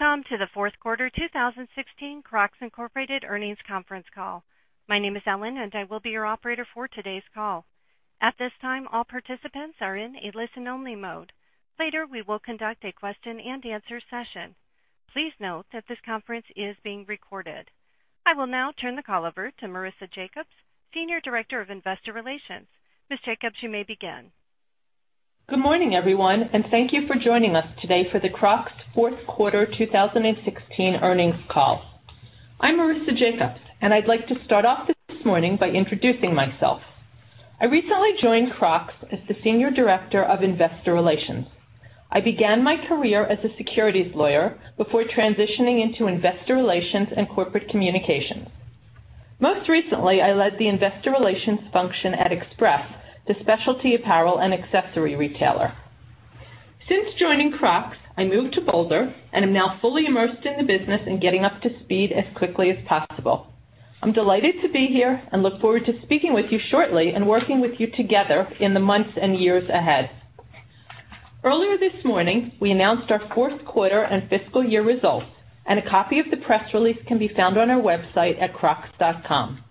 Welcome to the fourth quarter 2016 Crocs, Inc. earnings conference call. My name is Ellen. I will be your operator for today's call. At this time, all participants are in a listen-only mode. Later, we will conduct a question and answer session. Please note that this conference is being recorded. I will now turn the call over to Marisa Jacobs, Senior Director of Investor Relations. Ms. Jacobs, you may begin. Good morning, everyone. Thank you for joining us today for the Crocs fourth quarter 2016 earnings call. I'm Marisa Jacobs. I'd like to start off this morning by introducing myself. I recently joined Crocs as the Senior Director of Investor Relations. I began my career as a securities lawyer before transitioning into investor relations and corporate communications. Most recently, I led the investor relations function at Express, the specialty apparel and accessory retailer. Since joining Crocs, I moved to Boulder and am now fully immersed in the business and getting up to speed as quickly as possible. I'm delighted to be here and look forward to speaking with you shortly and working with you together in the months and years ahead. Earlier this morning, we announced our fourth quarter and fiscal year results. A copy of the press release can be found on our website at crocs.com.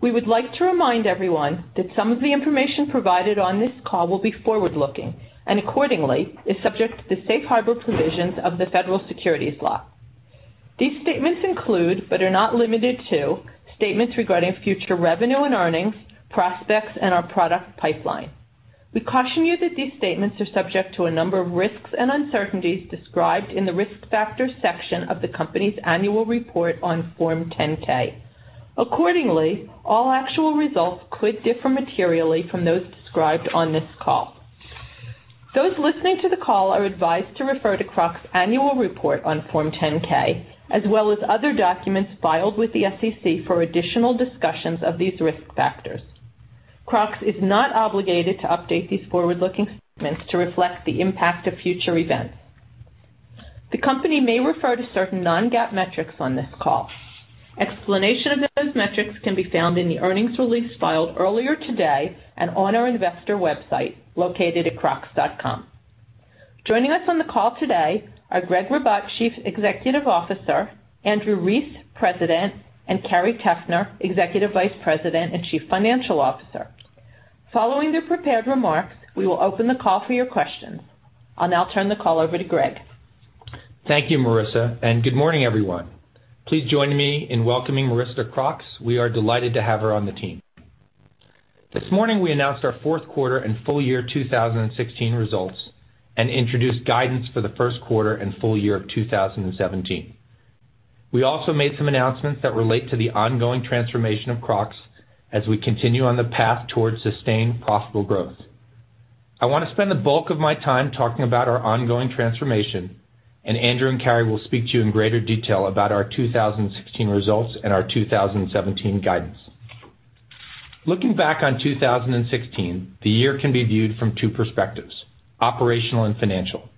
We would like to remind everyone that some of the information provided on this call will be forward-looking and accordingly is subject to the safe harbor provisions of the federal securities law. These statements include, but are not limited to, statements regarding future revenue and earnings, prospects, and our product pipeline. We caution you that these statements are subject to a number of risks and uncertainties described in the risk factors section of the company's annual report on Form 10-K. Accordingly, all actual results could differ materially from those described on this call. Those listening to the call are advised to refer to Crocs' annual report on Form 10-K, as well as other documents filed with the SEC for additional discussions of these risk factors. Crocs is not obligated to update these forward-looking statements to reflect the impact of future events. The company may refer to certain non-GAAP metrics on this call. Explanation of those metrics can be found in the earnings release filed earlier today on our investor website located at crocs.com. Joining us on the call today are Gregg Ribatt, Chief Executive Officer, Andrew Rees, President, and Carrie Teffner, Executive Vice President and Chief Financial Officer. Following their prepared remarks, we will open the call for your questions. I'll now turn the call over to Gregg. Thank you, Marisa, and good morning, everyone. Please join me in welcoming Marisa to Crocs. We are delighted to have her on the team. This morning, we announced our fourth quarter and full year 2016 results and introduced guidance for the first quarter and full year of 2017. We also made some announcements that relate to the ongoing transformation of Crocs as we continue on the path towards sustained profitable growth. I want to spend the bulk of my time talking about our ongoing transformation, Andrew and Carrie will speak to you in greater detail about our 2016 results and our 2017 guidance. Looking back on 2016, the year can be viewed from two perspectives, operational and financial.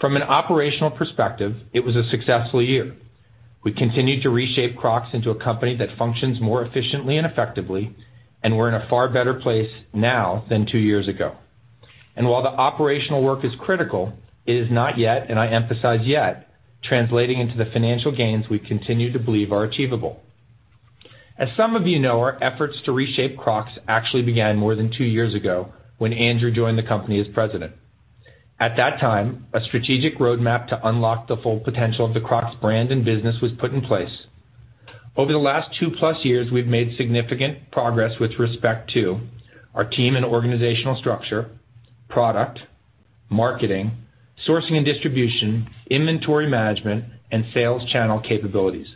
From an operational perspective, it was a successful year. We continued to reshape Crocs into a company that functions more efficiently and effectively, we're in a far better place now than two years ago. While the operational work is critical, it is not yet, and I emphasize yet, translating into the financial gains we continue to believe are achievable. As some of you know, our efforts to reshape Crocs actually began more than two years ago when Andrew joined the company as President. At that time, a strategic roadmap to unlock the full potential of the Crocs brand and business was put in place. Over the last two-plus years, we've made significant progress with respect to our team and organizational structure, product, marketing, sourcing and distribution, inventory management, and sales channel capabilities.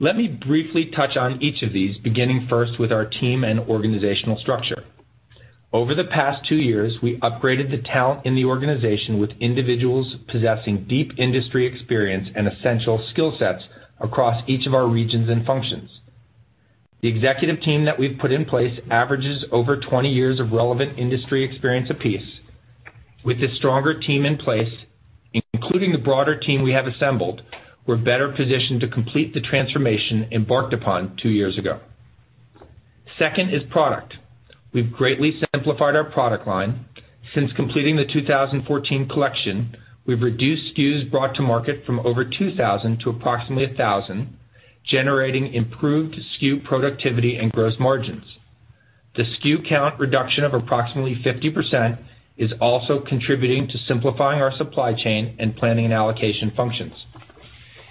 Let me briefly touch on each of these, beginning first with our team and organizational structure. Over the past two years, we upgraded the talent in the organization with individuals possessing deep industry experience and essential skill sets across each of our regions and functions. The executive team that we've put in place averages over 20 years of relevant industry experience apiece. With this stronger team in place, including the broader team we have assembled, we're better positioned to complete the transformation embarked upon two years ago. Second is product. We've greatly simplified our product line. Since completing the 2014 collection, we've reduced SKUs brought to market from over 2,000 to approximately 1,000, generating improved SKU productivity and gross margins. The SKU count reduction of approximately 50% is also contributing to simplifying our supply chain and planning and allocation functions.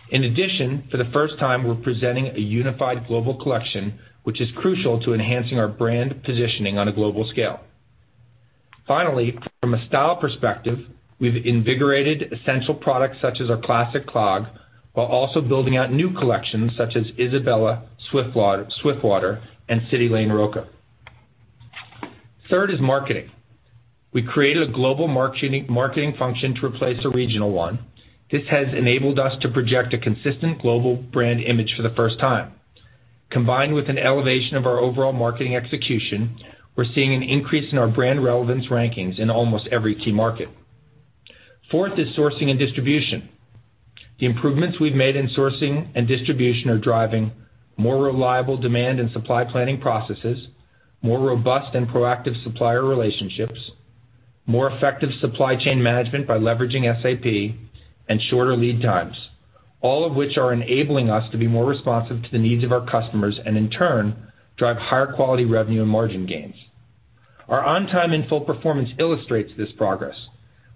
In addition, for the first time, we're presenting a unified global collection, which is crucial to enhancing our brand positioning on a global scale. Finally, from a style perspective, we've invigorated essential products such as our Classic clog, while also building out new collections such as Isabella, Swiftwater, and CitiLane Roka. Third is marketing. We created a global marketing function to replace a regional one. This has enabled us to project a consistent global brand image for the first time. Combined with an elevation of our overall marketing execution, we're seeing an increase in our brand relevance rankings in almost every key market. Fourth is sourcing and distribution. The improvements we've made in sourcing and distribution are driving more reliable demand and supply planning processes, more robust and proactive supplier relationships. More effective supply chain management by leveraging SAP and shorter lead times, all of which are enabling us to be more responsive to the needs of our customers and in turn, drive higher quality revenue and margin gains. Our on-time and full performance illustrates this progress.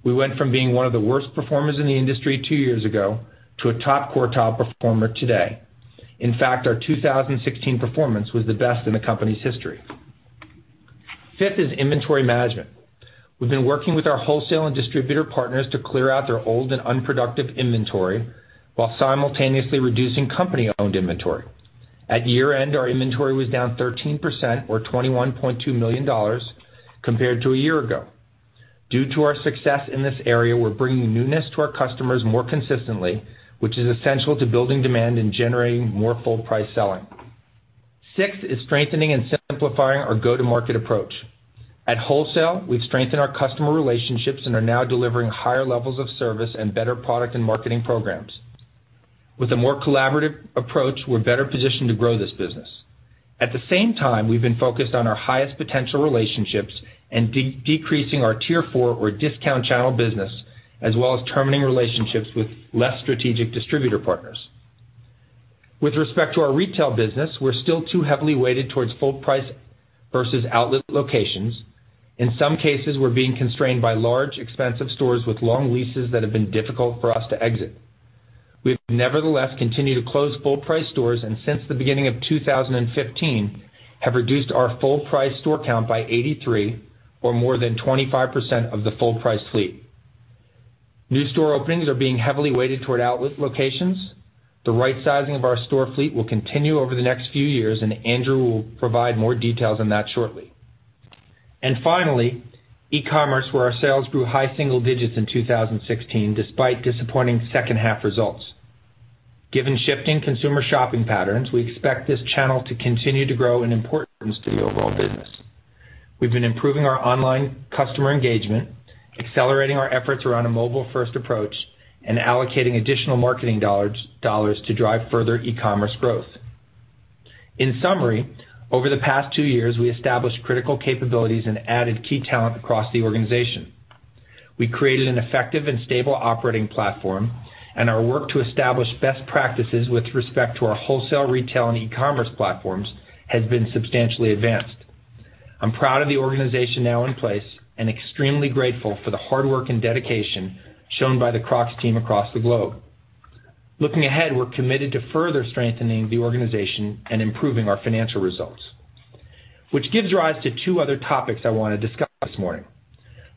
We went from being one of the worst performers in the industry two years ago to a top quartile performer today. In fact, our 2016 performance was the best in the company's history. Fifth is inventory management. We've been working with our wholesale and distributor partners to clear out their old and unproductive inventory while simultaneously reducing company-owned inventory. At year-end, our inventory was down 13%, or $21.2 million compared to a year ago. Due to our success in this area, we're bringing newness to our customers more consistently, which is essential to building demand and generating more full price selling. Sixth is strengthening and simplifying our go-to-market approach. At wholesale, we've strengthened our customer relationships and are now delivering higher levels of service and better product and marketing programs. With a more collaborative approach, we're better positioned to grow this business. At the same time, we've been focused on our highest potential relationships and decreasing our tier 4 or discount channel business, as well as terminating relationships with less strategic distributor partners. With respect to our retail business, we're still too heavily weighted towards full price versus outlet locations. In some cases, we're being constrained by large, expensive stores with long leases that have been difficult for us to exit. We've nevertheless continued to close full price stores, and since the beginning of 2015, have reduced our full price store count by 83, or more than 25% of the full price fleet. New store openings are being heavily weighted toward outlet locations. The right sizing of our store fleet will continue over the next few years, and Andrew will provide more details on that shortly. Finally, e-commerce, where our sales grew high single digits in 2016, despite disappointing second half results. Given shifting consumer shopping patterns, we expect this channel to continue to grow in importance to the overall business. We've been improving our online customer engagement, accelerating our efforts around a mobile-first approach, and allocating additional marketing dollars to drive further e-commerce growth. In summary, over the past two years, we established critical capabilities and added key talent across the organization. Our work to establish best practices with respect to our wholesale, retail, and e-commerce platforms has been substantially advanced. I'm proud of the organization now in place, and extremely grateful for the hard work and dedication shown by the Crocs team across the globe. Looking ahead, we're committed to further strengthening the organization and improving our financial results. Which gives rise to two other topics I want to discuss this morning.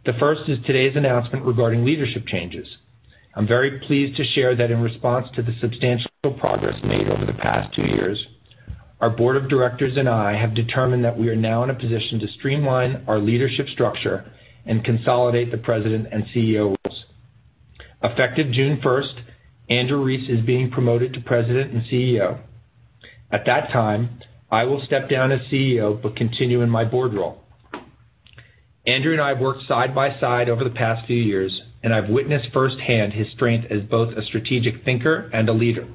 The first is today's announcement regarding leadership changes. I'm very pleased to share that in response to the substantial progress made over the past two years, our board of directors and I have determined that we are now in a position to streamline our leadership structure and consolidate the President and CEO roles. Effective June 1st, Andrew Rees is being promoted to President and CEO. At that time, I will step down as CEO, but continue in my board role. Andrew and I have worked side by side over the past few years. I've witnessed firsthand his strength as both a strategic thinker and a leader.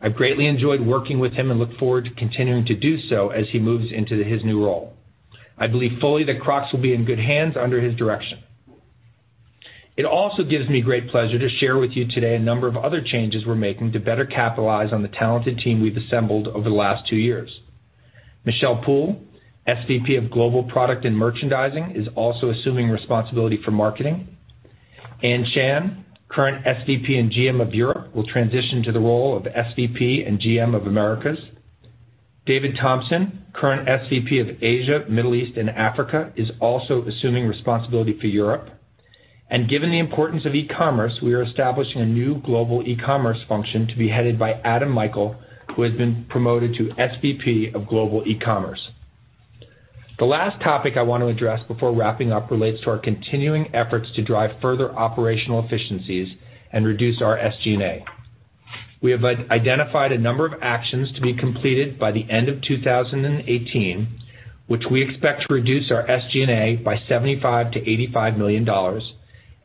I've greatly enjoyed working with him and look forward to continuing to do so as he moves into his new role. I believe fully that Crocs will be in good hands under his direction. It also gives me great pleasure to share with you today a number of other changes we're making to better capitalize on the talented team we've assembled over the last two years. Michelle Poole, SVP of Global Product and Merchandising, is also assuming responsibility for marketing. Ann Chan, current SVP and GM of Europe, will transition to the role of SVP and GM of Americas. David Thomson, current SVP of Asia, Middle East, and Africa, is also assuming responsibility for Europe. Given the importance of e-commerce, we are establishing a new global e-commerce function to be headed by Adam Michaels, who has been promoted to SVP of Global E-commerce. The last topic I want to address before wrapping up relates to our continuing efforts to drive further operational efficiencies and reduce our SG&A. We have identified a number of actions to be completed by the end of 2018, which we expect to reduce our SG&A by $75 million-$85 million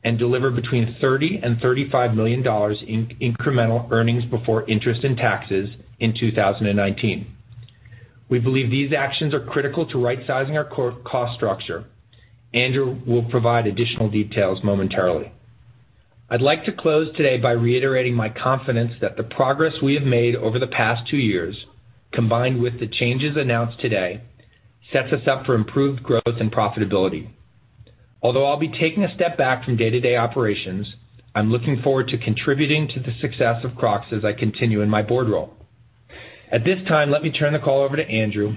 and deliver between $30 million and $35 million in incremental EBIT in 2019. We believe these actions are critical to right-sizing our cost structure. Andrew will provide additional details momentarily. I'd like to close today by reiterating my confidence that the progress we have made over the past two years, combined with the changes announced today, sets us up for improved growth and profitability. Although I'll be taking a step back from day-to-day operations, I'm looking forward to contributing to the success of Crocs as I continue in my board role. At this time, let me turn the call over to Andrew.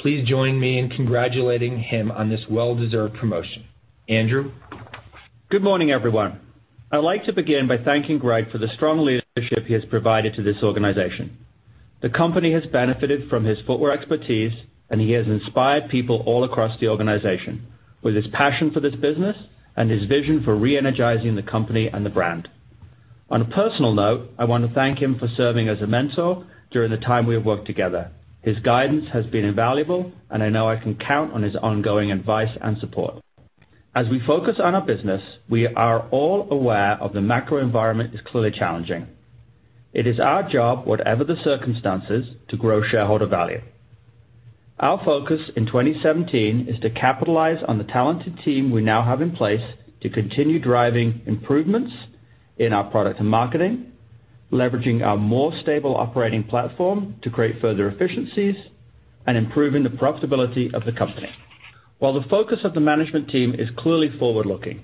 Please join me in congratulating him on this well-deserved promotion. Andrew? Good morning, everyone. I'd like to begin by thanking Gregg for the strong leadership he has provided to this organization. The company has benefited from his footwear expertise, and he has inspired people all across the organization with his passion for this business and his vision for re-energizing the company and the brand. On a personal note, I want to thank him for serving as a mentor during the time we have worked together. His guidance has been invaluable, and I know I can count on his ongoing advice and support. As we focus on our business, we are all aware of the macro environment is clearly challenging. It is our job, whatever the circumstances, to grow shareholder value. Our focus in 2017 is to capitalize on the talented team we now have in place to continue driving improvements in our product and marketing, leveraging our more stable operating platform to create further efficiencies and improving the profitability of the company. While the focus of the management team is clearly forward-looking,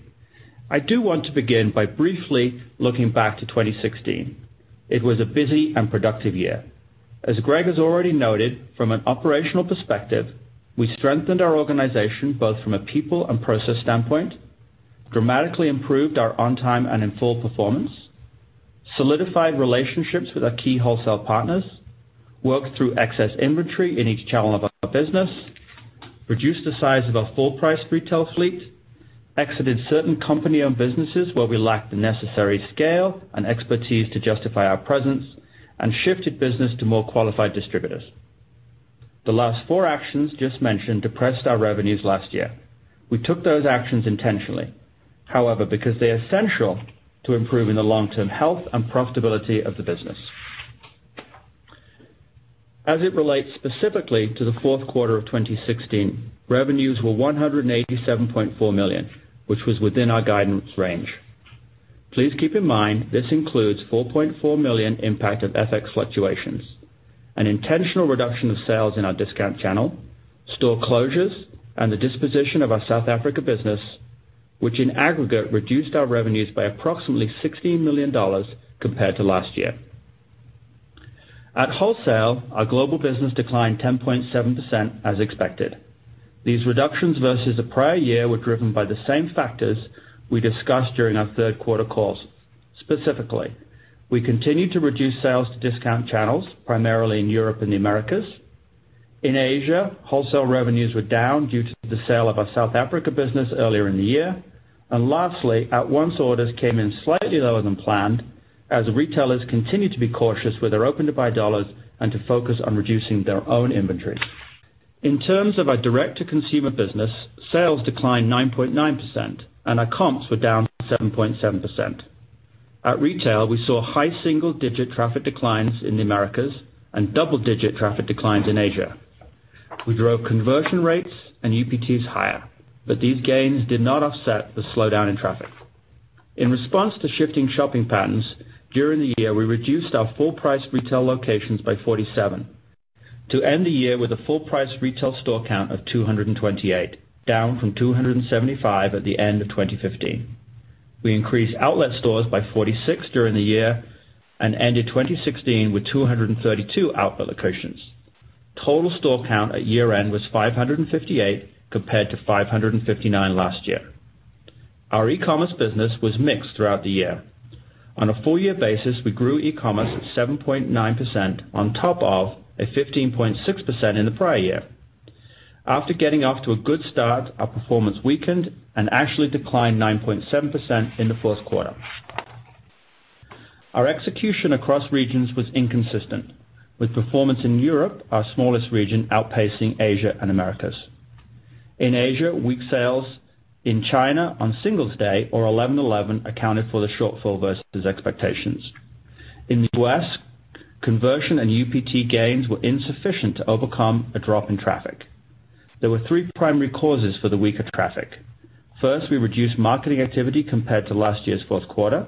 I do want to begin by briefly looking back to 2016. It was a busy and productive year. As Gregg has already noted, from an operational perspective, we strengthened our organization both from a people and process standpoint, dramatically improved our on-time and in-full performance, solidified relationships with our key wholesale partners, worked through excess inventory in each channel of our business, reduced the size of our full-price retail fleet, exited certain company-owned businesses where we lacked the necessary scale and expertise to justify our presence, and shifted business to more qualified distributors. The last four actions just mentioned depressed our revenues last year. We took those actions intentionally, however, because they're essential to improving the long-term health and profitability of the business. As it relates specifically to the fourth quarter of 2016, revenues were $187.4 million, which was within our guidance range. Please keep in mind, this includes $4.4 million impact of FX fluctuations, an intentional reduction of sales in our discount channel, store closures, and the disposition of our South Africa business, which in aggregate, reduced our revenues by approximately $16 million compared to last year. At wholesale, our global business declined 10.7% as expected. These reductions versus the prior year were driven by the same factors we discussed during our third quarter calls. Specifically, we continued to reduce sales to discount channels, primarily in Europe and the Americas. In Asia, wholesale revenues were down due to the sale of our South Africa business earlier in the year. Lastly, at-once orders came in slightly lower than planned as retailers continued to be cautious with their open-to-buy dollars and to focus on reducing their own inventory. In terms of our direct-to-consumer business, sales declined 9.9% and our comps were down 7.7%. At retail, we saw high single-digit traffic declines in the Americas and double-digit traffic declines in Asia. We drove conversion rates and UPTs higher, but these gains did not offset the slowdown in traffic. In response to shifting shopping patterns, during the year, we reduced our full-price retail locations by 47 to end the year with a full-price retail store count of 228, down from 275 at the end of 2015. We increased outlet stores by 46 during the year and ended 2016 with 232 outlet locations. Total store count at year-end was 558 compared to 559 last year. Our e-commerce business was mixed throughout the year. On a full-year basis, we grew e-commerce at 7.9% on top of a 15.6% in the prior year. After getting off to a good start, our performance weakened and actually declined 9.7% in the fourth quarter. Our execution across regions was inconsistent, with performance in Europe, our smallest region, outpacing Asia and Americas. In Asia, weak sales in China on Singles' Day or 11/11 accounted for the shortfall versus expectations. In the U.S., conversion and UPT gains were insufficient to overcome a drop in traffic. There were three primary causes for the weaker traffic. First, we reduced marketing activity compared to last year's fourth quarter.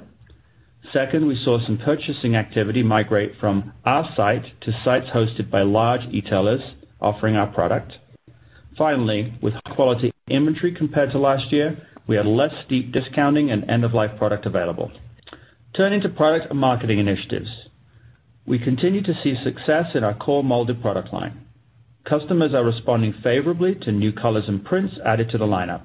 Second, we saw some purchasing activity migrate from our site to sites hosted by large e-tailers offering our product. Finally, with high-quality inventory compared to last year, we had less steep discounting and end-of-life product available. Turning to product and marketing initiatives. We continue to see success in our core molded product line. Customers are responding favorably to new colors and prints added to the lineup.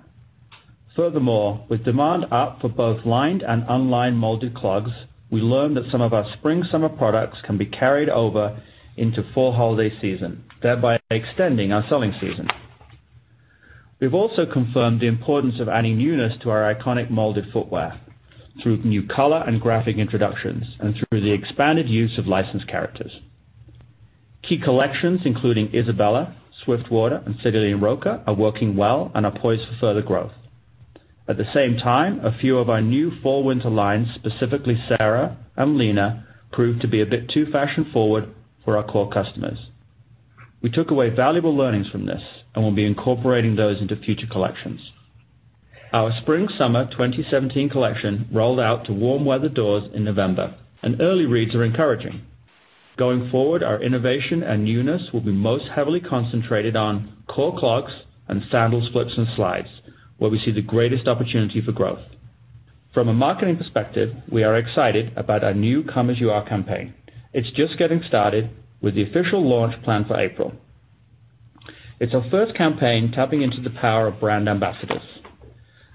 Furthermore, with demand up for both lined and unlined molded clogs, we learned that some of our spring/summer products can be carried over into fall holiday season, thereby extending our selling season. We've also confirmed the importance of adding newness to our iconic molded footwear through new color and graphic introductions and through the expanded use of licensed characters. Key collections, including Isabella, Swiftwater, and CitiLane Roka, are working well and are poised for further growth. At the same time, a few of our new fall/winter lines, specifically Sarah and Lena, proved to be a bit too fashion-forward for our core customers. We took away valuable learnings from this and will be incorporating those into future collections. Our spring/summer 2017 collection rolled out to warm weather doors in November, and early reads are encouraging. Going forward, our innovation and newness will be most heavily concentrated on core clogs and sandals, flips, and slides, where we see the greatest opportunity for growth. From a marketing perspective, we are excited about our new Come As You Are campaign. It's just getting started with the official launch planned for April. It's our first campaign tapping into the power of brand ambassadors.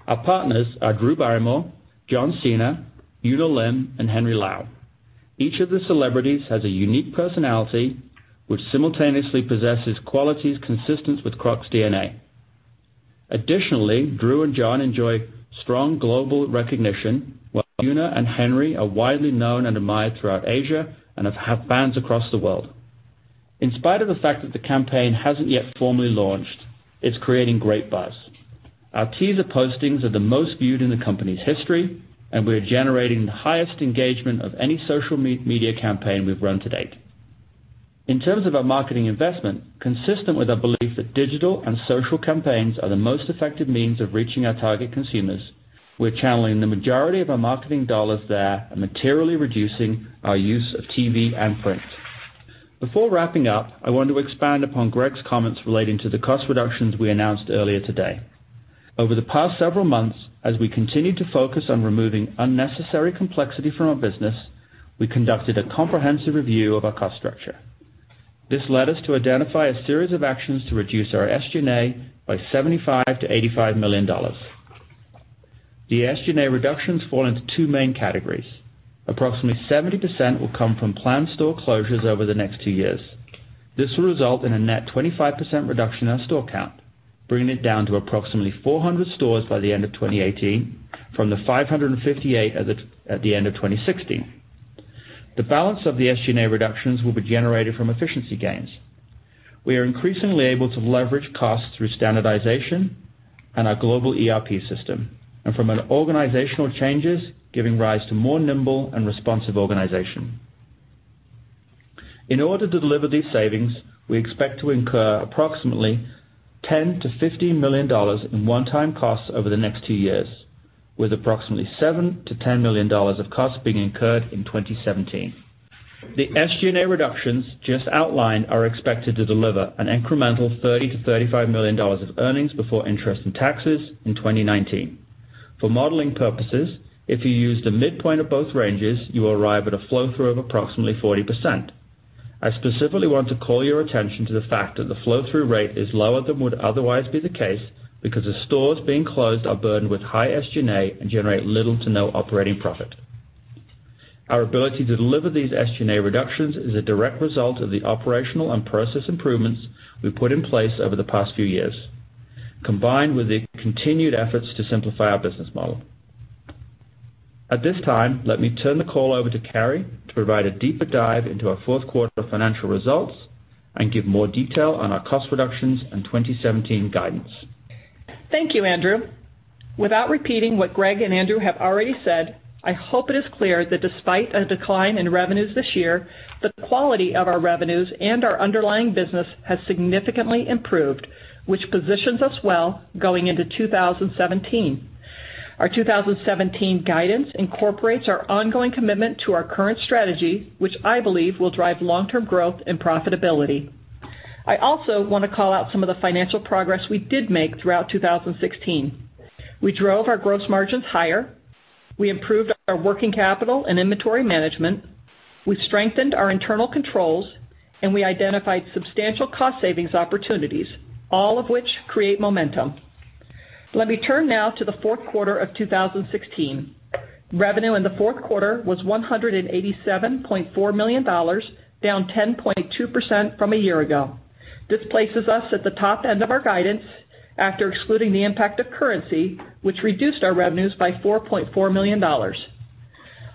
Our partners are Drew Barrymore, John Cena, Im Yoon-ah, and Henry Lau. Each of the celebrities has a unique personality, which simultaneously possesses qualities consistent with Crocs DNA. Additionally, Drew and John enjoy strong global recognition, while Yoona and Henry are widely known and admired throughout Asia and have fans across the world. In spite of the fact that the campaign hasn't yet formally launched, it's creating great buzz. Our teaser postings are the most viewed in the company's history, and we are generating the highest engagement of any social media campaign we've run to date. In terms of our marketing investment, consistent with our belief that digital and social campaigns are the most effective means of reaching our target consumers, we're channeling the majority of our marketing dollars there and materially reducing our use of TV and print. Before wrapping up, I want to expand upon Gregg's comments relating to the cost reductions we announced earlier today. Over the past several months, as we continued to focus on removing unnecessary complexity from our business, we conducted a comprehensive review of our cost structure. This led us to identify a series of actions to reduce our SG&A by $75 million-$85 million. The SG&A reductions fall into two main categories. Approximately 70% will come from planned store closures over the next two years. This will result in a net 25% reduction in our store count, bringing it down to approximately 400 stores by the end of 2018 from the 558 at the end of 2016. The balance of the SG&A reductions will be generated from efficiency gains. We are increasingly able to leverage costs through standardization and our global ERP system, and from an organizational changes, giving rise to more nimble and responsive organization. In order to deliver these savings, we expect to incur approximately $10 million-$15 million in one-time costs over the next two years, with approximately $7 million-$10 million of costs being incurred in 2017. The SG&A reductions just outlined are expected to deliver an incremental $30 million-$35 million of earnings before interest and taxes in 2019. For modeling purposes, if you use the midpoint of both ranges, you will arrive at a flow-through of approximately 40%. I specifically want to call your attention to the fact that the flow-through rate is lower than would otherwise be the case because the stores being closed are burdened with high SG&A and generate little to no operating profit. Our ability to deliver these SG&A reductions is a direct result of the operational and process improvements we've put in place over the past few years, combined with the continued efforts to simplify our business model. At this time, let me turn the call over to Carrie to provide a deeper dive into our fourth quarter financial results and give more detail on our cost reductions and 2017 guidance. Thank you, Andrew. Without repeating what Gregg and Andrew have already said, I hope it is clear that despite a decline in revenues this year, the quality of our revenues and our underlying business has significantly improved, which positions us well going into 2017. Our 2017 guidance incorporates our ongoing commitment to our current strategy, which I believe will drive long-term growth and profitability. I also want to call out some of the financial progress we did make throughout 2016. We drove our gross margins higher, we improved our working capital and inventory management, we strengthened our internal controls, and we identified substantial cost savings opportunities, all of which create momentum. Let me turn now to the fourth quarter of 2016. Revenue in the fourth quarter was $187.4 million, down 10.2% from a year ago. This places us at the top end of our guidance after excluding the impact of currency, which reduced our revenues by $4.4 million.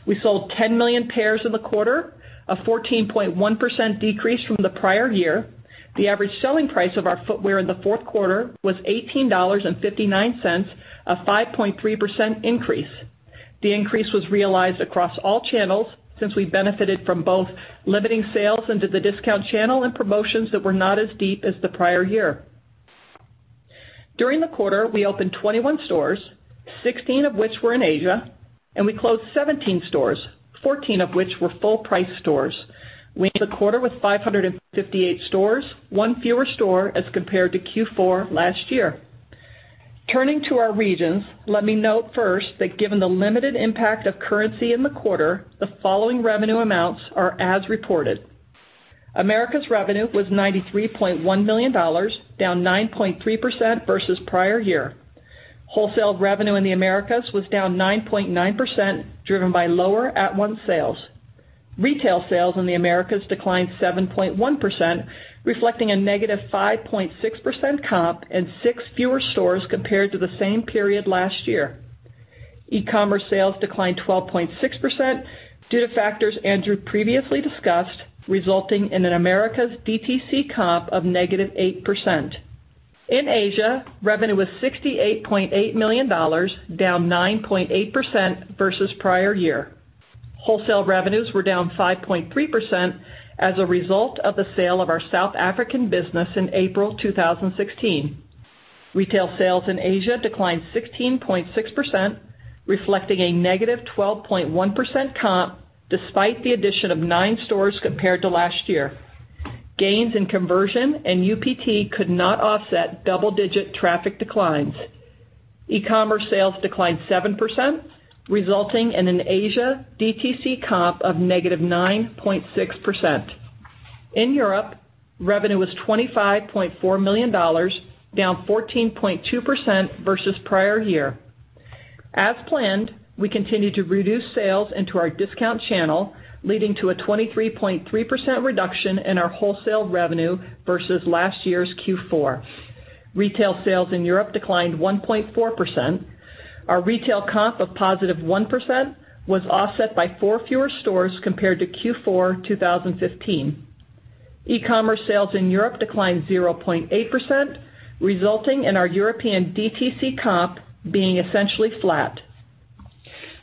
We sold 10 million pairs in the quarter, a 14.1% decrease from the prior year. The average selling price of our footwear in the fourth quarter was $18.59, a 5.3% increase. The increase was realized across all channels since we benefited from both limiting sales into the discount channel and promotions that were not as deep as the prior year. During the quarter, we opened 21 stores, 16 of which were in Asia, and we closed 17 stores, 14 of which were full-price stores. We ended the quarter with 558 stores, one fewer store as compared to Q4 last year. Turning to our regions, let me note first that given the limited impact of currency in the quarter, the following revenue amounts are as reported. Americas revenue was $93.1 million, down 9.3% versus prior year. Wholesale revenue in the Americas was down 9.9%, driven by lower at-once sales. Retail sales in the Americas declined 7.1%, reflecting a negative 5.6% comp and six fewer stores compared to the same period last year. E-commerce sales declined 12.6% due to factors Andrew previously discussed, resulting in an Americas DTC comp of negative 8%. In Asia, revenue was $68.8 million, down 9.8% versus prior year. Wholesale revenues were down 5.3% as a result of the sale of our South African business in April 2016. Retail sales in Asia declined 16.6%, reflecting a negative 12.1% comp despite the addition of nine stores compared to last year. Gains in conversion and UPT could not offset double-digit traffic declines. E-commerce sales declined 7%, resulting in an Asia DTC comp of negative 9.6%. In Europe, revenue was $25.4 million, down 14.2% versus prior year. As planned, we continued to reduce sales into our discount channel, leading to a 23.3% reduction in our wholesale revenue versus last year's Q4. Retail sales in Europe declined 1.4%. Our retail comp of positive 1% was offset by four fewer stores compared to Q4 2015. E-commerce sales in Europe declined 0.8%, resulting in our European DTC comp being essentially flat.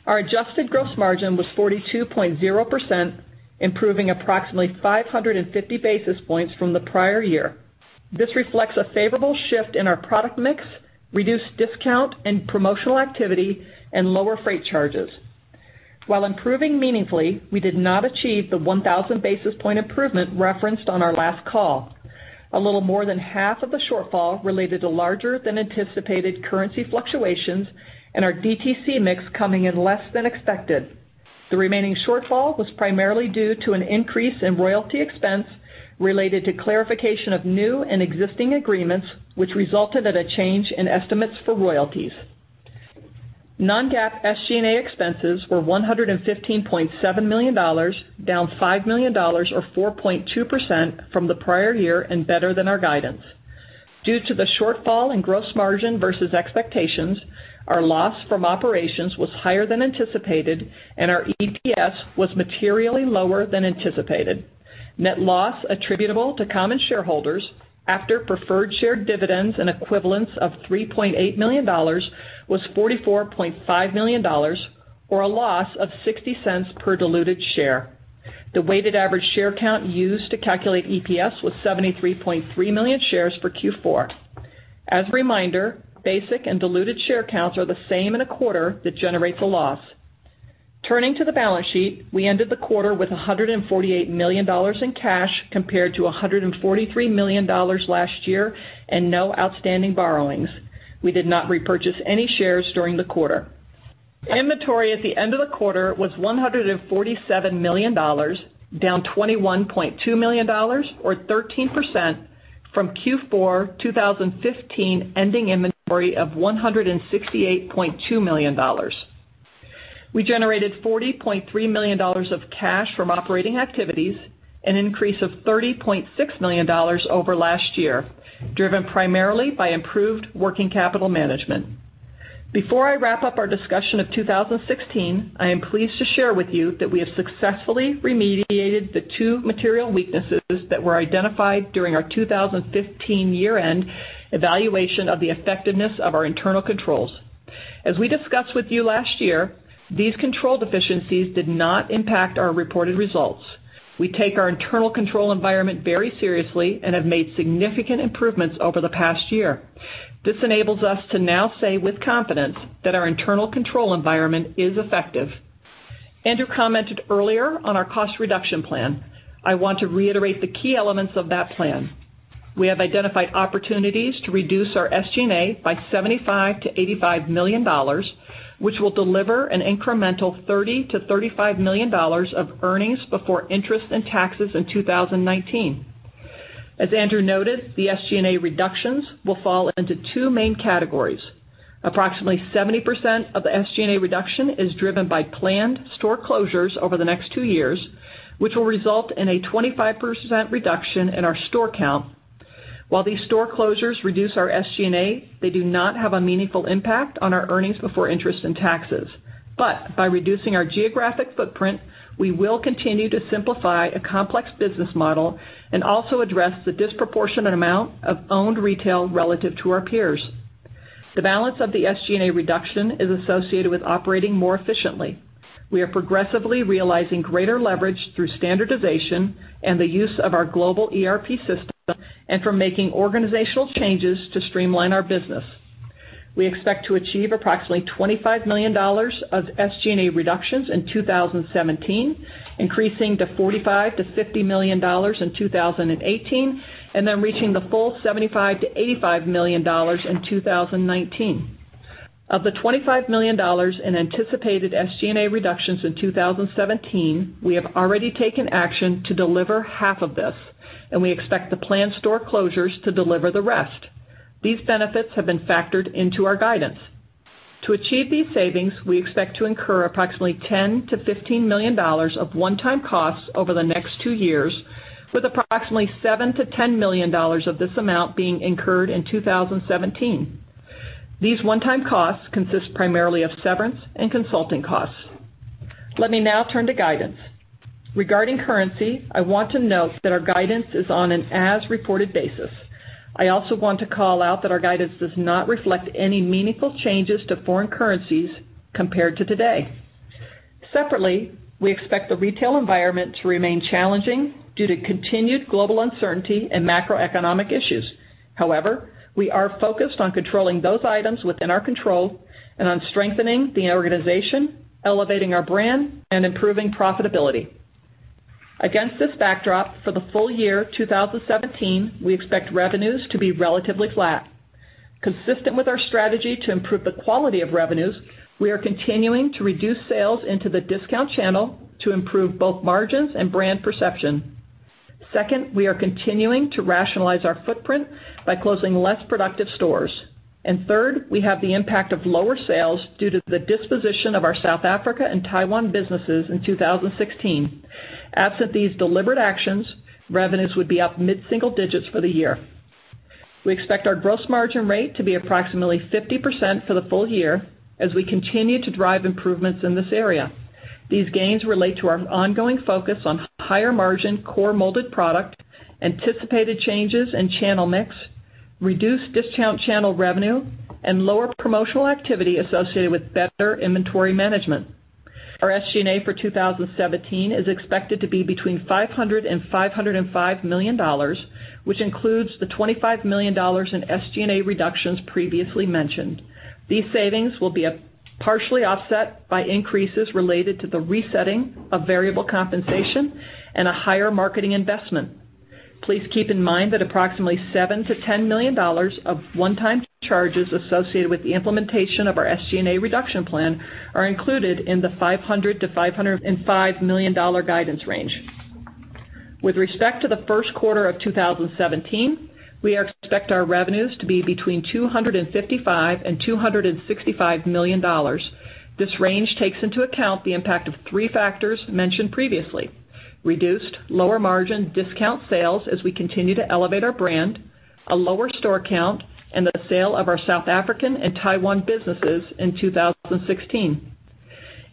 Our adjusted gross margin was 42.0%, improving approximately 550 basis points from the prior year. This reflects a favorable shift in our product mix, reduced discount and promotional activity, and lower freight charges. While improving meaningfully, we did not achieve the 1,000 basis point improvement referenced on our last call. A little more than half of the shortfall related to larger than anticipated currency fluctuations and our DTC mix coming in less than expected. The remaining shortfall was primarily due to an increase in royalty expense related to clarification of new and existing agreements, which resulted in a change in estimates for royalties. Non-GAAP SG&A expenses were $115.7 million, down $5 million or 4.2% from the prior year and better than our guidance. Due to the shortfall in gross margin versus expectations, our loss from operations was higher than anticipated, and our EPS was materially lower than anticipated. Net loss attributable to common shareholders after preferred share dividends and equivalents of $3.8 million was $44.5 million, or a loss of $0.60 per diluted share. The weighted average share count used to calculate EPS was 73.3 million shares for Q4. As a reminder, basic and diluted share counts are the same in a quarter that generates a loss. Turning to the balance sheet, we ended the quarter with $148 million in cash, compared to $143 million last year and no outstanding borrowings. We did not repurchase any shares during the quarter. Inventory at the end of the quarter was $147 million, down $21.2 million or 13% from Q4 2015, ending inventory of $168.2 million. We generated $40.3 million of cash from operating activities, an increase of $30.6 million over last year, driven primarily by improved working capital management. Before I wrap up our discussion of 2016, I am pleased to share with you that we have successfully remediated the two material weaknesses that were identified during our 2015 year-end evaluation of the effectiveness of our internal controls. As we discussed with you last year, these control deficiencies did not impact our reported results. We take our internal control environment very seriously and have made significant improvements over the past year. This enables us to now say with confidence that our internal control environment is effective. Andrew commented earlier on our cost reduction plan. I want to reiterate the key elements of that plan. We have identified opportunities to reduce our SG&A by $75 million-$85 million, which will deliver an incremental $30 million-$35 million of earnings before interest and taxes in 2019. As Andrew noted, the SG&A reductions will fall into two main categories. Approximately 70% of the SG&A reduction is driven by planned store closures over the next two years, which will result in a 25% reduction in our store count. While these store closures reduce our SG&A, they do not have a meaningful impact on our earnings before interest and taxes. By reducing our geographic footprint, we will continue to simplify a complex business model and also address the disproportionate amount of owned retail relative to our peers. The balance of the SG&A reduction is associated with operating more efficiently. We are progressively realizing greater leverage through standardization and the use of our global ERP system and from making organizational changes to streamline our business. We expect to achieve approximately $25 million of SG&A reductions in 2017, increasing to $45 million-$50 million in 2018, reaching the full $75 million-$85 million in 2019. Of the $25 million in anticipated SG&A reductions in 2017, we have already taken action to deliver half of this, and we expect the planned store closures to deliver the rest. These benefits have been factored into our guidance. To achieve these savings, we expect to incur $10 million-$15 million of one-time costs over the next two years, with $7 million-$10 million of this amount being incurred in 2017. These one-time costs consist primarily of severance and consulting costs. Let me now turn to guidance. Regarding currency, I want to note that our guidance is on an as-reported basis. I also want to call out that our guidance does not reflect any meaningful changes to foreign currencies compared to today. Separately, we expect the retail environment to remain challenging due to continued global uncertainty and macroeconomic issues. However, we are focused on controlling those items within our control and on strengthening the organization, elevating our brand, and improving profitability. Against this backdrop, for the full year 2017, we expect revenues to be relatively flat. Consistent with our strategy to improve the quality of revenues, we are continuing to reduce sales into the discount channel to improve both margins and brand perception. Second, we are continuing to rationalize our footprint by closing less productive stores. Third, we have the impact of lower sales due to the disposition of our South Africa and Taiwan businesses in 2016. Absent these deliberate actions, revenues would be up mid-single digits for the year. We expect our gross margin rate to be approximately 50% for the full year as we continue to drive improvements in this area. These gains relate to our ongoing focus on higher margin core molded product, anticipated changes in channel mix, reduced discount channel revenue, and lower promotional activity associated with better inventory management. Our SG&A for 2017 is expected to be between $500 million and $505 million, which includes the $25 million in SG&A reductions previously mentioned. These savings will be partially offset by increases related to the resetting of variable compensation and a higher marketing investment. Please keep in mind that $7 million-$10 million of one-time charges associated with the implementation of our SG&A reduction plan are included in the $500 million-$505 million guidance range. With respect to the first quarter of 2017, we expect our revenues to be between $255 million and $265 million. This range takes into account the impact of three factors mentioned previously: reduced lower margin discount sales as we continue to elevate our brand, a lower store count, and the sale of our South African and Taiwan businesses in 2016.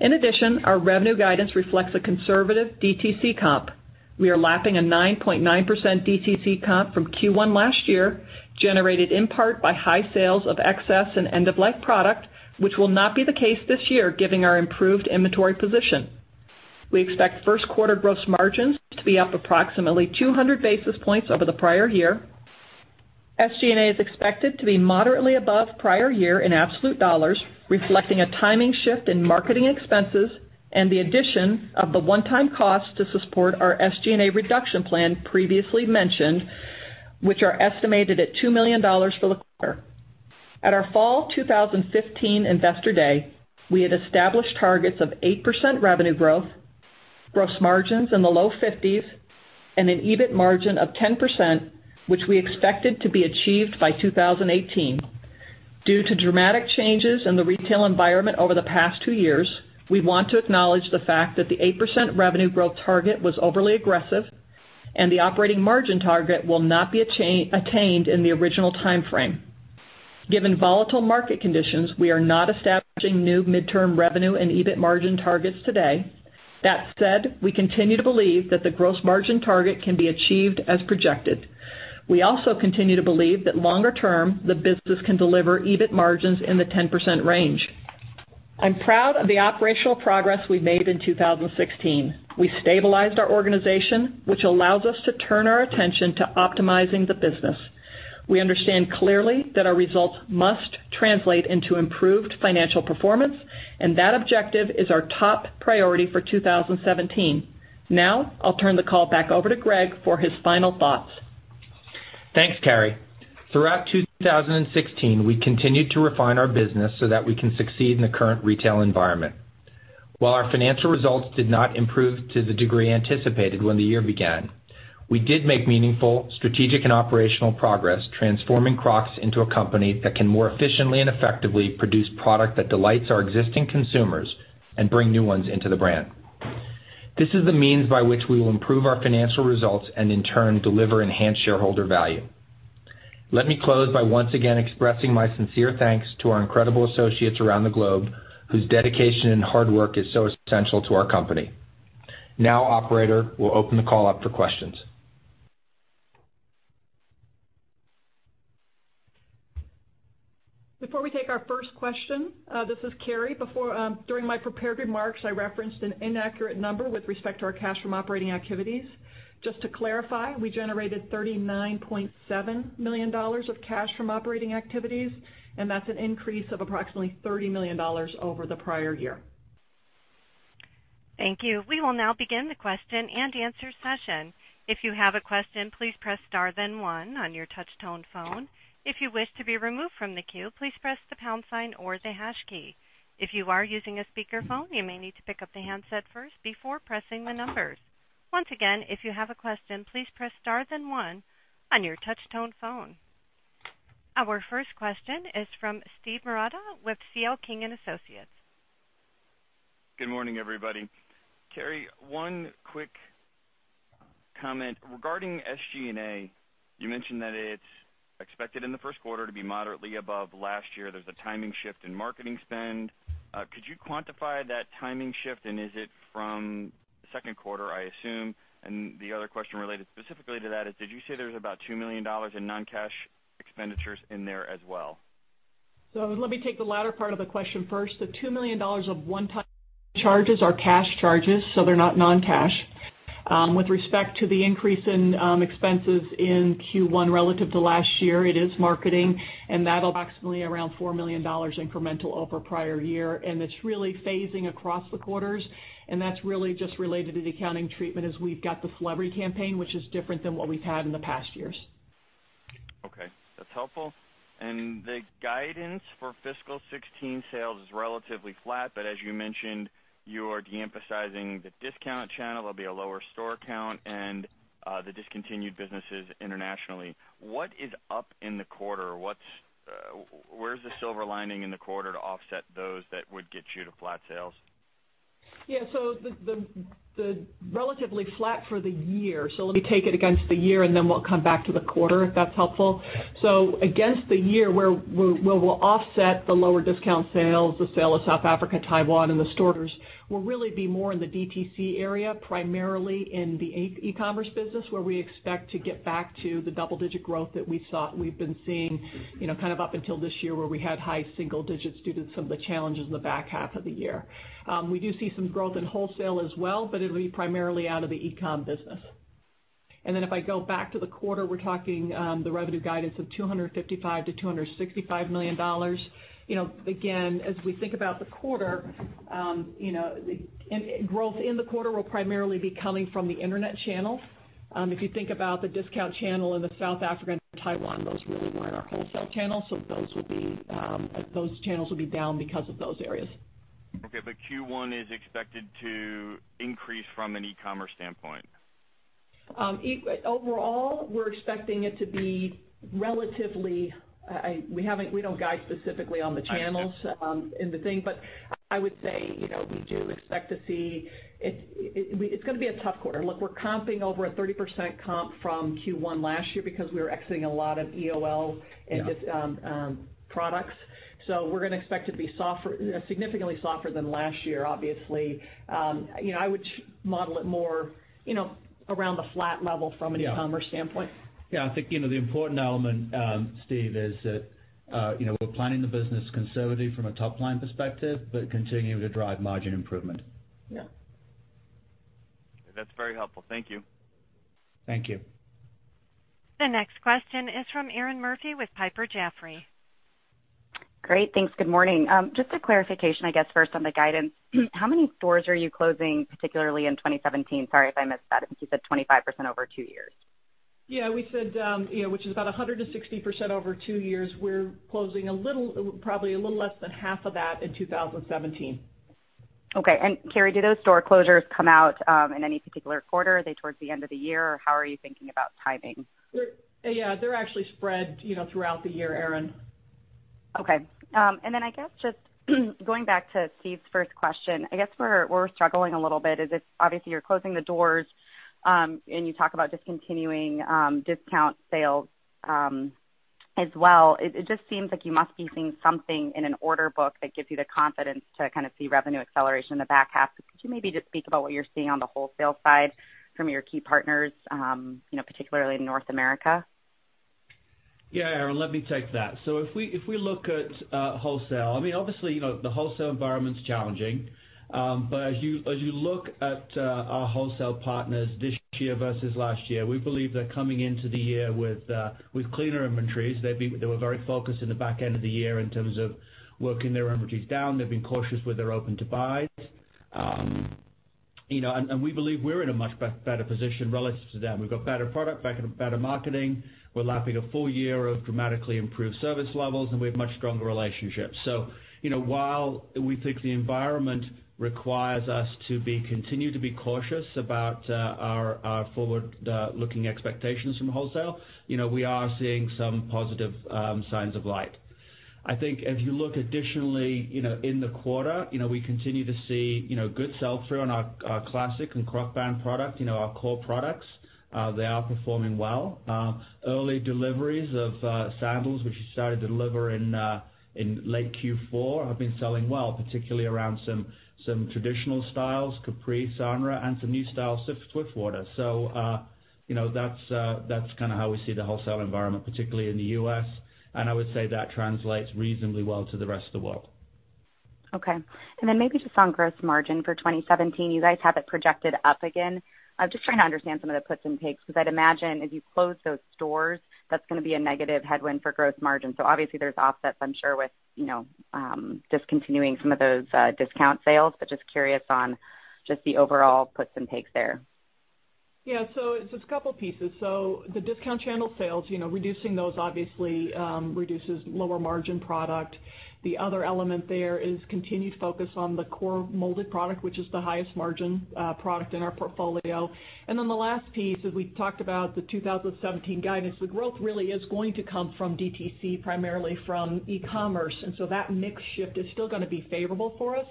In addition, our revenue guidance reflects a conservative DTC comp. We are lapping a 9.9% DTC comp from Q1 last year, generated in part by high sales of excess and end-of-life product, which will not be the case this year, given our improved inventory position. We expect first quarter gross margins to be up approximately 200 basis points over the prior year. SG&A is expected to be moderately above prior year in absolute dollars, reflecting a timing shift in marketing expenses and the addition of the one-time cost to support our SG&A reduction plan previously mentioned, which are estimated at $2 million for the quarter. At our Fall 2015 Investor Day, we had established targets of 8% revenue growth, gross margins in the low 50s, and an EBIT margin of 10%, which we expected to be achieved by 2018. Due to dramatic changes in the retail environment over the past two years, we want to acknowledge the fact that the 8% revenue growth target was overly aggressive. The operating margin target will not be attained in the original timeframe. Given volatile market conditions, we are not establishing new midterm revenue and EBIT margin targets today. That said, we continue to believe that the gross margin target can be achieved as projected. We also continue to believe that longer term, the business can deliver EBIT margins in the 10% range. I'm proud of the operational progress we've made in 2016. We stabilized our organization, which allows us to turn our attention to optimizing the business. We understand clearly that our results must translate into improved financial performance. That objective is our top priority for 2017. I'll turn the call back over to Gregg for his final thoughts. Thanks, Carrie. Throughout 2016, we continued to refine our business so that we can succeed in the current retail environment. While our financial results did not improve to the degree anticipated when the year began, we did make meaningful strategic and operational progress transforming Crocs into a company that can more efficiently and effectively produce product that delights our existing consumers and bring new ones into the brand. This is the means by which we will improve our financial results. In turn, deliver enhanced shareholder value. Let me close by once again expressing my sincere thanks to our incredible associates around the globe, whose dedication and hard work is so essential to our company. Operator, we'll open the call up for questions. Before we take our first question, this is Carrie. During my prepared remarks, I referenced an inaccurate number with respect to our cash from operating activities. Just to clarify, we generated $39.7 million of cash from operating activities. That's an increase of approximately $30 million over the prior year. Thank you. We will now begin the question-and-answer session. If you have a question, please press star then one on your touch tone phone. If you wish to be removed from the queue, please press the pound sign or the hash key. If you are using a speakerphone, you may need to pick up the handset first before pressing the numbers. Once again, if you have a question, please press star then one on your touch-tone phone. Our first question is from Steve Marotta, with CL King & Associates. Good morning, everybody. Carrie, one quick comment. Regarding SG&A, you mentioned that it's expected in the first quarter to be moderately above last year. There's a timing shift in marketing spend. Could you quantify that timing shift, and is it from the second quarter, I assume? The other question related specifically to that is, did you say there's about $2 million in non-cash expenditures in there as well? Let me take the latter part of the question first. The $2 million of one-time charges are cash charges, so they're not non-cash. With respect to the increase in expenses in Q1 relative to last year, it is marketing, that approximately around $4 million incremental over prior year, it's really phasing across the quarters. That's really just related to the accounting treatment as we've got the Flerb campaign, which is different than what we've had in the past years. Okay, that's helpful. The guidance for fiscal 2016 sales is relatively flat, as you mentioned, you are de-emphasizing the discount channel. There'll be a lower store count and the discontinued businesses internationally. What is up in the quarter? Where's the silver lining in the quarter to offset those that would get you to flat sales? Yeah. The relatively flat for the year. Let me take it against the year, then we'll come back to the quarter, if that's helpful. Against the year, where we'll offset the lower discount sales, the sale of South Africa and Taiwan, the stores will really be more in the DTC area, primarily in the e-commerce business, where we expect to get back to the double-digit growth that we've been seeing, kind of up until this year where we had high single digits due to some of the challenges in the back half of the year. We do see some growth in wholesale as well, it'll be primarily out of the e-com business. If I go back to the quarter, we're talking the revenue guidance of $255 million-$265 million. As we think about the quarter, growth in the quarter will primarily be coming from the internet channel. If you think about the discount channel in South Africa, Taiwan, those really weren't our wholesale channels, so those channels will be down because of those areas. Q1 is expected to increase from an e-commerce standpoint. We don't guide specifically on the channels in the thing, I would say, we do expect to see. It's going to be a tough quarter. We're comping over a 30% comp from Q1 last year because we were exiting a lot of EOL and products. We're going to expect it to be significantly softer than last year, obviously. I would model it more around the flat level from an e-commerce standpoint. I think, the important element, Steve, is that we're planning the business conservative from a top-line perspective, but continuing to drive margin improvement. Yeah. That's very helpful. Thank you. Thank you. The next question is from Erinn Murphy with Piper Jaffray. Great. Thanks. Good morning. Just a clarification, I guess, first on the guidance. How many stores are you closing, particularly in 2017? Sorry if I missed that, I think you said 25% over two years. Yeah, we said, which is about 160% over two years. We're closing probably a little less than half of that in 2017. Okay. Carrie, do those store closures come out in any particular quarter? Are they towards the end of the year, or how are you thinking about timing? Yeah. They're actually spread throughout the year, Erinn. Okay. I guess just going back to Steve's first question, I guess where we're struggling a little bit is if obviously you're closing the doors, and you talk about discontinuing discount sales as well. It just seems like you must be seeing something in an order book that gives you the confidence to kind of see revenue acceleration in the back half. Could you maybe just speak about what you're seeing on the wholesale side from your key partners, particularly in North America? Yeah, Erinn, let me take that. If we look at wholesale, obviously, the wholesale environment's challenging. As you look at our wholesale partners this year versus last year, we believe they're coming into the year with cleaner inventories. They were very focused on the back end of the year in terms of working their inventories down. They've been cautious with their open-to-buys. We believe we're in a much better position relative to them. We've got better product, better marketing. We're lapping a full year of dramatically improved service levels, and we have much stronger relationships. While we think the environment requires us to continue to be cautious about our forward-looking expectations from wholesale, we are seeing some positive signs of light. If you look additionally, in the quarter, we continue to see good sell-through on our Classic and Crocband product. Our core products, they are performing well. Early deliveries of sandals, which we started to deliver in late Q4, have been selling well, particularly around some traditional styles, Capri, Sanrah, and some new styles, Swiftwater. That's kind of how we see the wholesale environment, particularly in the U.S., and I would say that translates reasonably well to the rest of the world. Okay. Then maybe just on gross margin for 2017, you guys have it projected up again. Just trying to understand some of the puts and takes, because I'd imagine as you close those stores, that's going to be a negative headwind for gross margin. Obviously there's offsets, I'm sure, with discontinuing some of those discount sales, but just curious on just the overall puts and takes there. It's a couple pieces. The discount channel sales, reducing those obviously reduces lower margin product. The other element there is continued focus on the core molded product, which is the highest margin product in our portfolio. The last piece, as we talked about the 2017 guidance, the growth really is going to come from DTC, primarily from e-commerce, so that mix shift is still going to be favorable for us.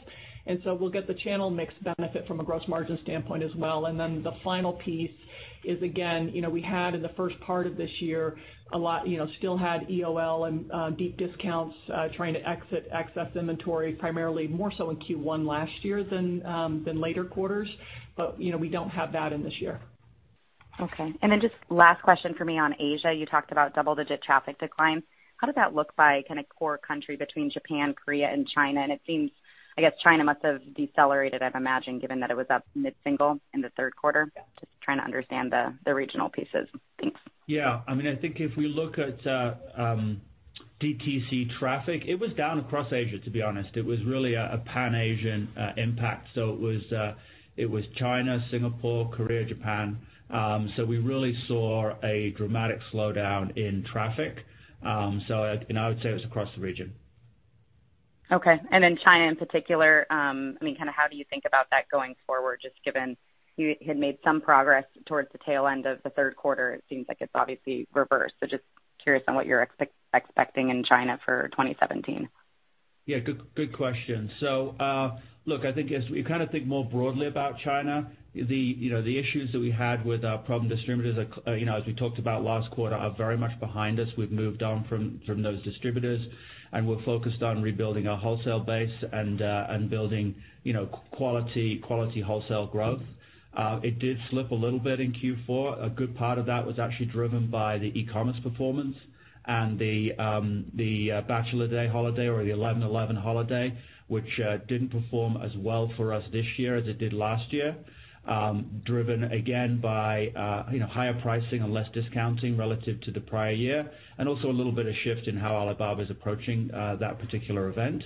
We'll get the channel mix benefit from a gross margin standpoint as well. The final piece is, again, we had in the first part of this year, still had EOL and deep discounts, trying to exit excess inventory, primarily more so in Q1 last year than later quarters. We don't have that in this year. Okay. Just last question for me on Asia, you talked about double-digit traffic declines. How did that look by kind of core country between Japan, Korea, and China? It seems, I guess China must have decelerated, I'd imagine, given that it was up mid-single in the third quarter. Just trying to understand the regional pieces. Thanks. Yeah. I think if we look at DTC traffic, it was down across Asia, to be honest. It was really a Pan-Asian impact. It was China, Singapore, Korea, Japan. We really saw a dramatic slowdown in traffic. I would say it was across the region. Okay. China in particular, how do you think about that going forward? Just given you had made some progress towards the tail end of the third quarter, it seems like it's obviously reversed. Just curious on what you're expecting in China for 2017. Yeah. Good question. Look, I think as we think more broadly about China, the issues that we had with our problem distributors, as we talked about last quarter, are very much behind us. We've moved on from those distributors, and we're focused on rebuilding our wholesale base and building quality wholesale growth. It did slip a little bit in Q4. A good part of that was actually driven by the e-commerce performance and the Bachelor's Day holiday or the 11.11 holiday, which didn't perform as well for us this year as it did last year, driven again by higher pricing and less discounting relative to the prior year, and also a little bit of shift in how Alibaba is approaching that particular event.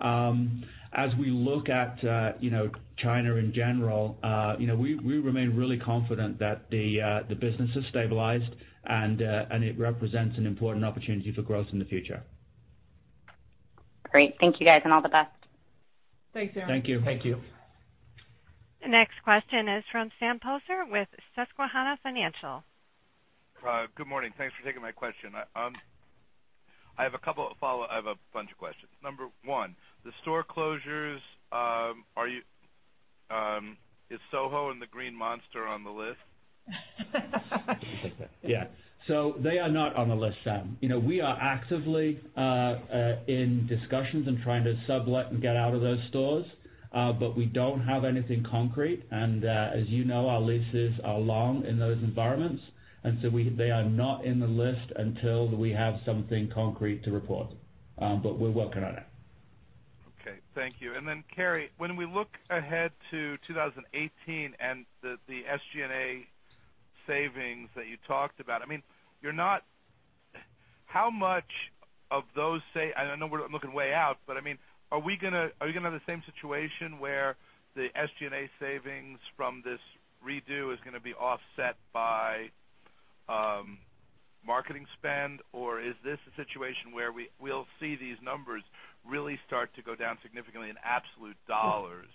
As we look at China in general, we remain really confident that the business has stabilized, and it represents an important opportunity for growth in the future. Great. Thank you, guys, and all the best. Thanks, Erinn. Thank you. Thank you. The next question is from Sam Poser with Susquehanna Financial. Good morning. Thanks for taking my question. I have a bunch of questions. Number one, the store closures. Is Soho and the Green Monster on the list? Yeah. They are not on the list, Sam. We are actively in discussions and trying to sublet and get out of those stores. We don't have anything concrete, and as you know, our leases are long in those environments, and so they are not in the list until we have something concrete to report. We're working on it. Okay. Thank you. Then, Carrie, when we look ahead to 2018 and the SG&A savings that you talked about, I know we're looking way out, but are we going to have the same situation where the SG&A savings from this redo is going to be offset by marketing spend, or is this a situation where we'll see these numbers really start to go down significantly in absolute dollars?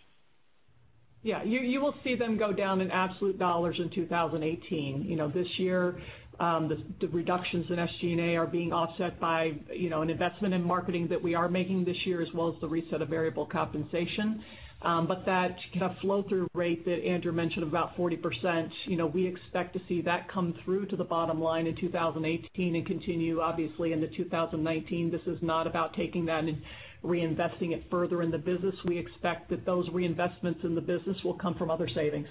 Yeah. You will see them go down in absolute $ in 2018. This year, the reductions in SG&A are being offset by an investment in marketing that we are making this year as well as the reset of variable compensation. That flow through rate that Andrew mentioned, about 40%, we expect to see that come through to the bottom line in 2018 and continue obviously into 2019. This is not about taking that and reinvesting it further in the business. We expect that those reinvestments in the business will come from other savings.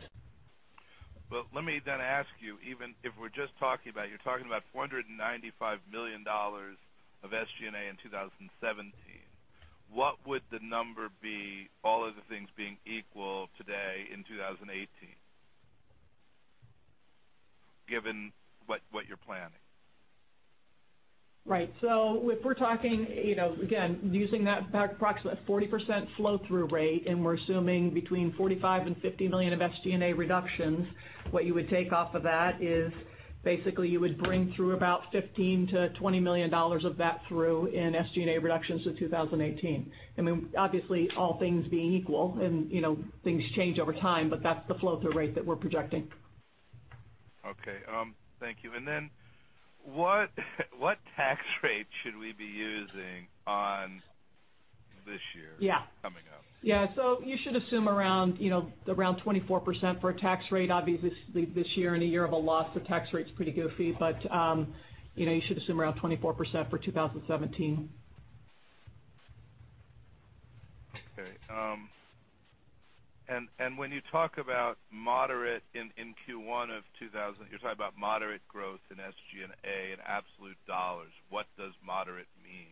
Let me then ask you, even if we're just talking about $495 million of SG&A in 2017, what would the number be, all of the things being equal today in 2018, given what you're planning? Right. If we're talking, again, using that approximate 40% flow through rate, and we're assuming between $45 million-$50 million of SG&A reductions, what you would take off of that is basically you would bring through about $15 million-$20 million of that through in SG&A reductions to 2018. Obviously, all things being equal and things change over time, that's the flow through rate that we're projecting. Okay. Thank you. Then what tax rate should we be using on this year coming up? Yeah. You should assume around 24% for a tax rate. Obviously, this year, in a year of a loss, the tax rate's pretty goofy. You should assume around 24% for 2017. Okay. When you talk about moderate in Q1 of 2000, you're talking about moderate growth in SG&A in absolute dollars. What does moderate mean?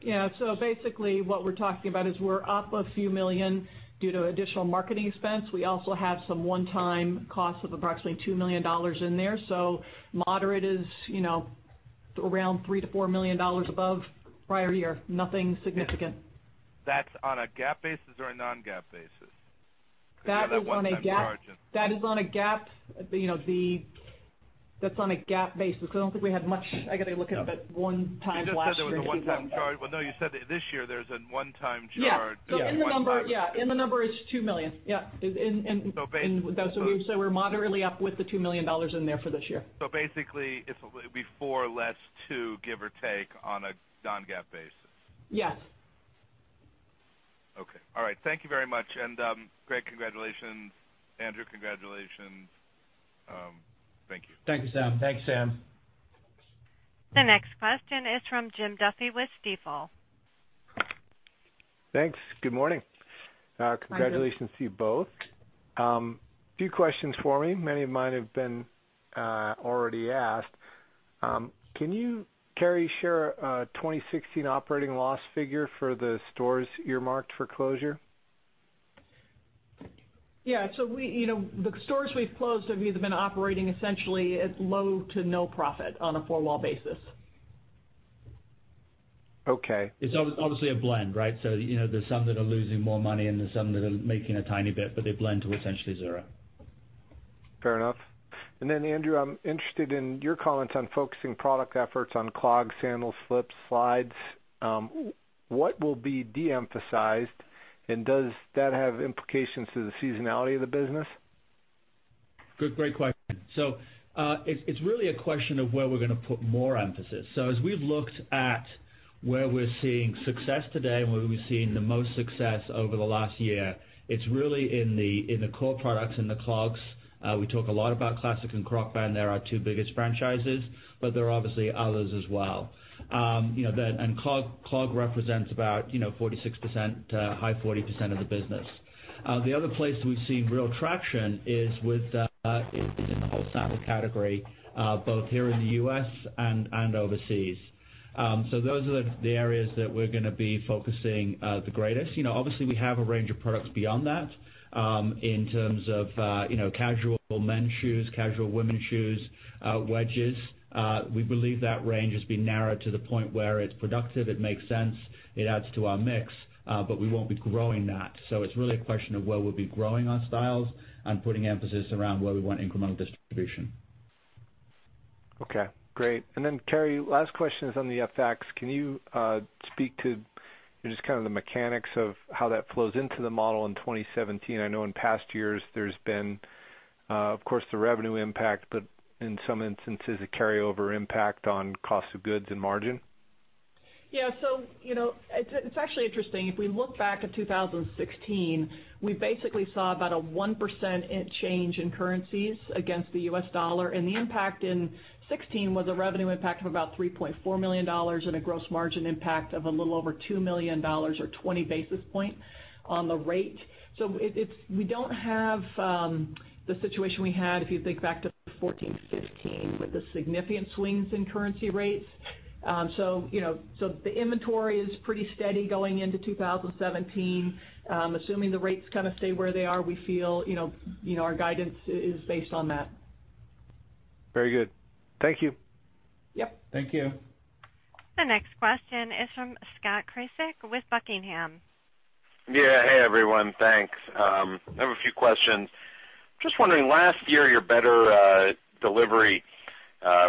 Yeah. Basically, what we're talking about is we're up a few million due to additional marketing expense. We also have some one-time cost of approximately $2 million in there. Moderate is around $3 million-$4 million above prior year. Nothing significant. That's on a GAAP basis or a non-GAAP basis? Because you had that one-time charge. That is on a GAAP basis, because I don't think we had I got to look it up, but one time last year. You just said there was a one-time charge. No, you said that this year there's a one-time charge. Yeah. In the number, it's $2 million. Yeah. Basically. We're moderately up with the $2 million in there for this year. Basically, it'll be four less two, give or take, on a non-GAAP basis. Yes. Okay. All right. Thank you very much. Gregg, congratulations. Andrew, congratulations. Thank you. Thank you, Sam. Thanks, Sam. The next question is from Jim Duffy with Stifel. Thanks. Good morning. Good morning. Congratulations to you both. Few questions for me. Many of mine have been already asked. Can you, Carrie, share a 2016 operating loss figure for the stores earmarked for closure? Yeah. The stores we've closed have either been operating essentially at low to no profit on a four-wall basis. Okay. It's obviously a blend, right? There's some that are losing more money and there's some that are making a tiny bit, but they blend to essentially zero. Fair enough. Andrew, I'm interested in your comments on focusing product efforts on clogs, sandals, flips, slides. What will be de-emphasized, and does that have implications to the seasonality of the business? Good, great question. It's really a question of where we're going to put more emphasis. As we've looked at where we're seeing success today and where we've seen the most success over the last year, it's really in the core products, in the clogs. We talk a lot about Classic and Crocband. They're our two biggest franchises. There are obviously others as well. Clog represents about 46%, high 40% of the business. The other place we've seen real traction is in the wholesale category, both here in the U.S. and overseas. Those are the areas that we're going to be focusing the greatest. Obviously, we have a range of products beyond that in terms of casual men's shoes, casual women's shoes, wedges. We believe that range has been narrowed to the point where it's productive, it makes sense, it adds to our mix. We won't be growing that. It's really a question of where we'll be growing our styles and putting emphasis around where we want incremental distribution. Okay, great. Carrie, last question is on the FX. Can you speak to just kind of the mechanics of how that flows into the model in 2017? I know in past years there's been, of course, the revenue impact, but in some instances, a carryover impact on cost of goods and margin. Yeah. It's actually interesting. If we look back at 2016, we basically saw about a 1% change in currencies against the US dollar. The impact in 2016 was a revenue impact of about $3.4 million and a gross margin impact of a little over $2 million or 20 basis points on the rate. We don't have the situation we had, if you think back to 2014, 2015, with the significant swings in currency rates. The inventory is pretty steady going into 2017. Assuming the rates kind of stay where they are, we feel our guidance is based on that. Very good. Thank you. Yep. Thank you. The next question is from Scott Krasik with Buckingham. Yeah. Hey, everyone. Thanks. I have a few questions. Just wondering, last year, your better delivery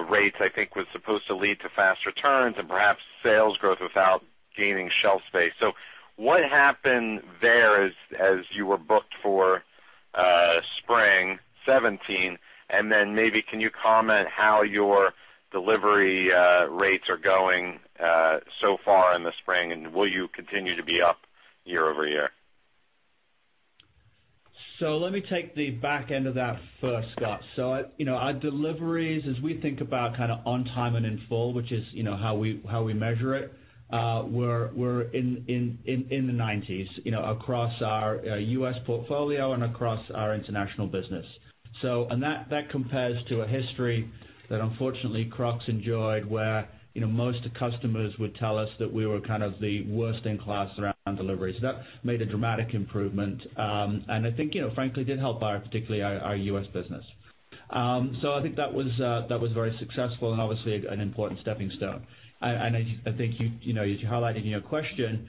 rates, I think was supposed to lead to fast returns and perhaps sales growth without gaining shelf space. What happened there as you were booked for spring 2017? Maybe can you comment how your delivery rates are going so far in the spring, and will you continue to be up year-over-year? Let me take the back end of that first, Scott. Our deliveries, as we think about kind of on time and in full, which is how we measure it, we're in the 90s across our U.S. portfolio and across our international business. That compares to a history that unfortunately Crocs enjoyed where most customers would tell us that we were kind of the worst in class around delivery. That made a dramatic improvement. I think, frankly, did help particularly our U.S. business. I think that was very successful and obviously an important stepping stone. I think as you highlighted in your question,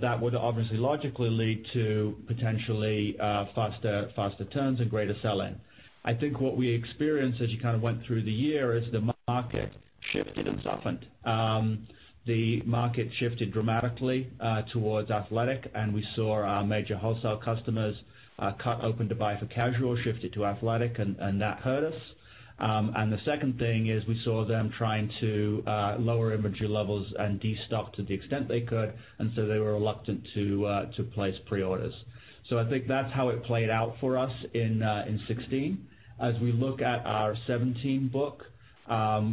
that would obviously logically lead to potentially faster turns and greater sell-in. I think what we experienced as you kind of went through the year is the market shifted and softened. The market shifted dramatically towards athletic, and we saw our major wholesale customers cut open to buy for casual, shifted to athletic, and that hurt us. The second thing is we saw them trying to lower inventory levels and destock to the extent they could, they were reluctant to place pre-orders. I think that's how it played out for us in 2016. As we look at our 2017 book,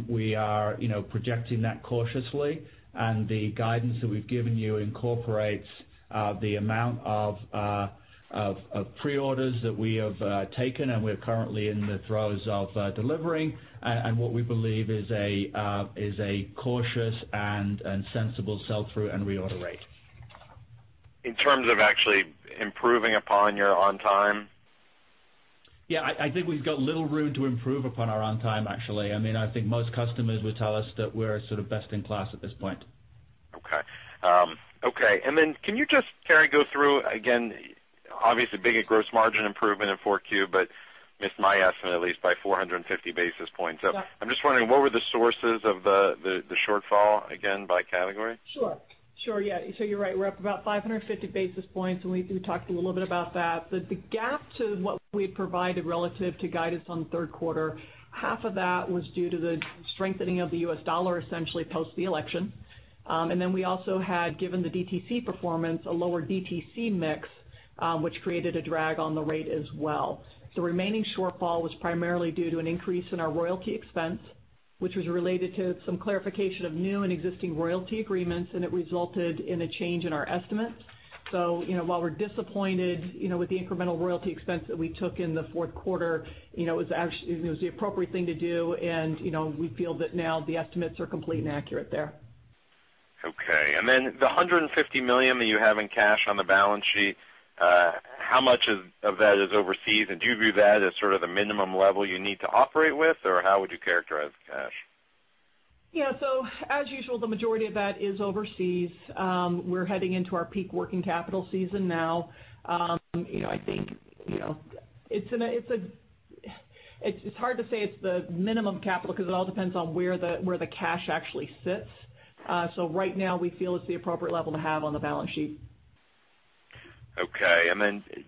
we are projecting that cautiously, and the guidance that we've given you incorporates the amount of pre-orders that we have taken and we're currently in the throes of delivering and what we believe is a cautious and sensible sell-through and reorder rate. In terms of actually improving upon your on time? Yeah, I think we've got a little room to improve upon our on time, actually. I think most customers would tell us that we're sort of best in class at this point. Okay. Can you just, Carrie, go through, again, obviously big at gross margin improvement in 4Q, but missed my estimate at least by 450 basis points. I'm just wondering, what were the sources of the shortfall again by category? Sure, yeah. You're right, we're up about 550 basis points, we talked a little bit about that. The gap to what we had provided relative to guidance on the third quarter, half of that was due to the strengthening of the US dollar essentially post the election. We also had given the DTC performance a lower DTC mix, which created a drag on the rate as well. The remaining shortfall was primarily due to an increase in our royalty expense, which was related to some clarification of new and existing royalty agreements, it resulted in a change in our estimate. While we're disappointed with the incremental royalty expense that we took in the fourth quarter, it was the appropriate thing to do, and we feel that now the estimates are complete and accurate there. Okay, the $150 million that you have in cash on the balance sheet, how much of that is overseas? Do you view that as sort of the minimum level you need to operate with? How would you characterize the cash? Yeah. As usual, the majority of that is overseas. We're heading into our peak working capital season now. It's hard to say it's the minimum capital because it all depends on where the cash actually sits. Right now we feel it's the appropriate level to have on the balance sheet. Okay.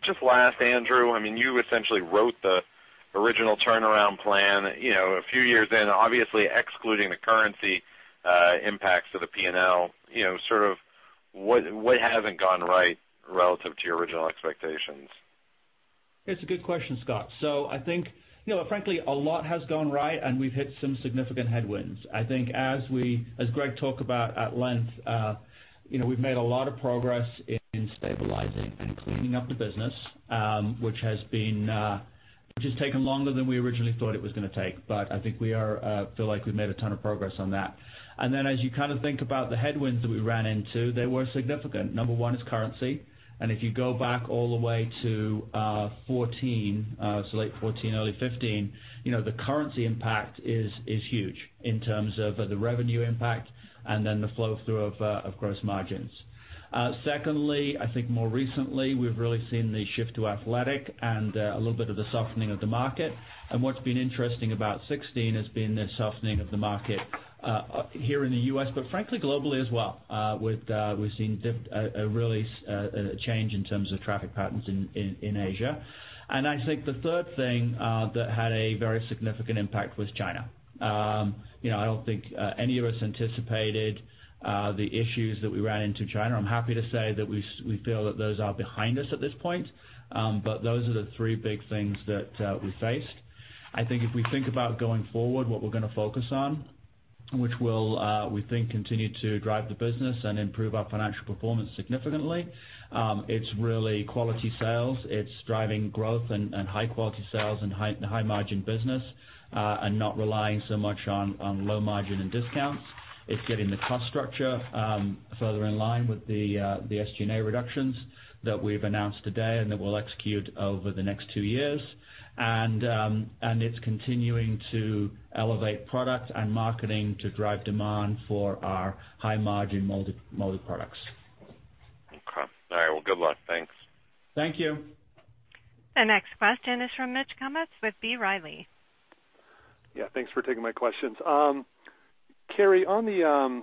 Just last, Andrew, you essentially wrote the original turnaround plan a few years in. Obviously, excluding the currency impacts to the P&L. What hasn't gone right relative to your original expectations? It's a good question, Scott. I think, frankly, a lot has gone right, and we've hit some significant headwinds. I think as Gregg talked about at length, we've made a lot of progress in stabilizing and cleaning up the business, which has taken longer than we originally thought it was going to take. I think we feel like we've made a ton of progress on that. As you think about the headwinds that we ran into, they were significant. Number one is currency. If you go back all the way to late 2014, early 2015, the currency impact is huge in terms of the revenue impact and then the flow-through of gross margins. Secondly, I think more recently, we've really seen the shift to athletic and a little bit of the softening of the market. What's been interesting about 2016 has been the softening of the market here in the U.S., but frankly, globally as well. We've seen a change in terms of traffic patterns in Asia. I think the third thing that had a very significant impact was China. I don't think any of us anticipated the issues that we ran into China. I'm happy to say that we feel that those are behind us at this point. Those are the three big things that we faced. I think if we think about going forward, what we're going to focus on, which will, we think, continue to drive the business and improve our financial performance significantly. It's really quality sales. It's driving growth and high-quality sales and high-margin business, and not relying so much on low margin and discounts. It's getting the cost structure further in line with the SG&A reductions that we've announced today and that we'll execute over the next two years. It's continuing to elevate product and marketing to drive demand for our high-margin molded products. Okay. All right. Well, good luck. Thanks. Thank you. The next question is from Mitch Kummetz with B. Riley. Yeah. Thanks for taking my questions. Carrie, on the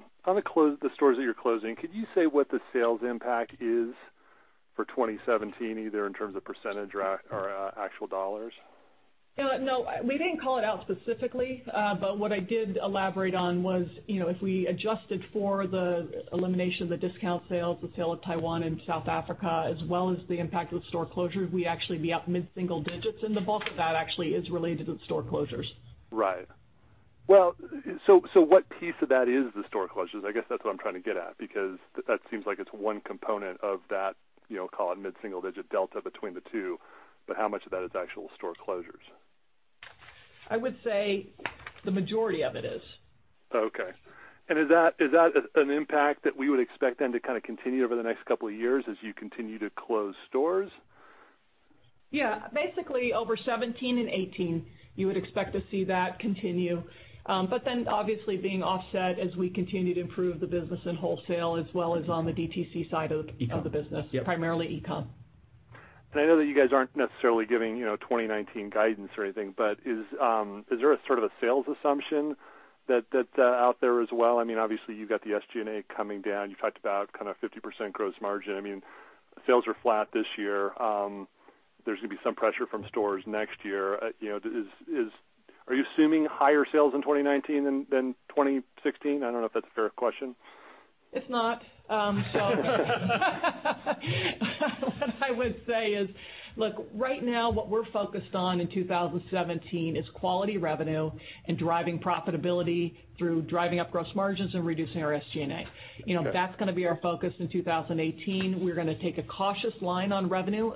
stores that you're closing, could you say what the sales impact is for 2017, either in terms of % or actual dollars? No, we didn't call it out specifically. What I did elaborate on was, if we adjusted for the elimination of the discount sales, the sale of Taiwan and South Africa, as well as the impact of the store closures, we actually would be up mid-single digits, and the bulk of that actually is related to the store closures. Right. Well, what piece of that is the store closures? I guess that's what I'm trying to get at, because that seems like it's one component of that, call it mid-single-digit delta between the two, but how much of that is actual store closures? I would say the majority of it is. Okay. Is that an impact that we would expect then to continue over the next couple of years as you continue to close stores? Yeah. Basically, over 2017 and 2018, you would expect to see that continue. Obviously being offset as we continue to improve the business in wholesale as well as on the DTC side of the business. E-com. Yep. Primarily e-com. I know that you guys aren't necessarily giving 2019 guidance or anything, but is there a sort of a sales assumption that's out there as well? Obviously, you've got the SG&A coming down. You've talked about 50% gross margin. Sales are flat this year. There's going to be some pressure from stores next year. Are you assuming higher sales in 2019 than 2016? I don't know if that's a fair question. It's not. What I would say is, look, right now what we're focused on in 2017 is quality revenue and driving profitability through driving up gross margins and reducing our SG&A. Okay. That's going to be our focus in 2018. We're going to take a cautious line on revenue.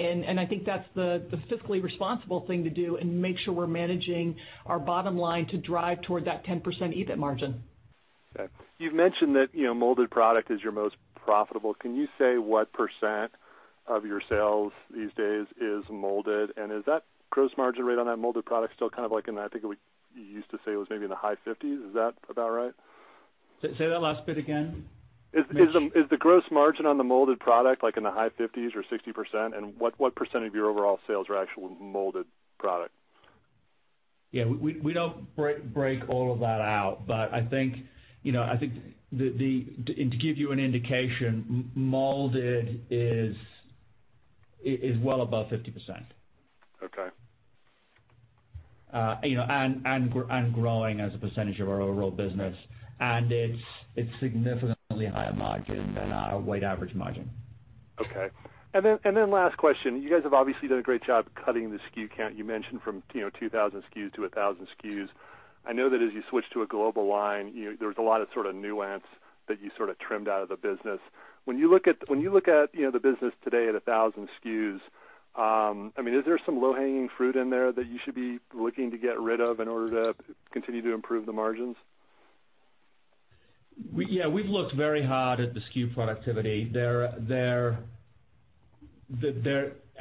I think that's the fiscally responsible thing to do and make sure we're managing our bottom line to drive toward that 10% EBIT margin. Okay. You've mentioned that molded product is your most profitable. Can you say what % of your sales these days is molded? Is that gross margin rate on that molded product still, I think you used to say it was maybe in the high 50s. Is that about right? Say that last bit again, Mitch. Is the gross margin on the molded product, like in the high 50s or 60%? What % of your overall sales are actual molded product? Yeah. We don't break all of that out, but I think, to give you an indication, molded is well above 50%. Okay. Growing as a percentage of our overall business. It's significantly higher margin than our weighted average margin. Okay. Last question. You guys have obviously done a great job cutting the SKU count. You mentioned from 2,000 SKUs to 1,000 SKUs. I know that as you switch to a global line, there's a lot of sort of nuance that you sort of trimmed out of the business. When you look at the business today at 1,000 SKUs, is there some low-hanging fruit in there that you should be looking to get rid of in order to continue to improve the margins? Yeah. We've looked very hard at the SKU productivity.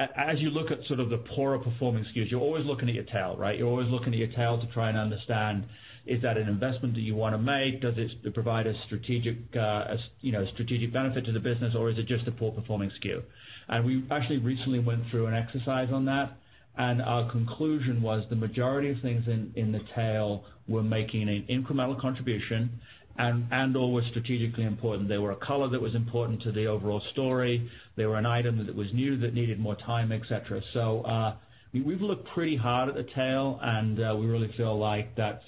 As you look at sort of the poorer performing SKUs, you're always looking at your tail, right? You're always looking at your tail to try and understand, is that an investment that you want to make? Does it provide a strategic benefit to the business, or is it just a poor performing SKU? We actually recently went through an exercise on that, and our conclusion was the majority of things in the tail were making an incremental contribution and/or were strategically important. They were a color that was important to the overall story. They were an item that was new, that needed more time, et cetera. We've looked pretty hard at the tail, and we really feel like that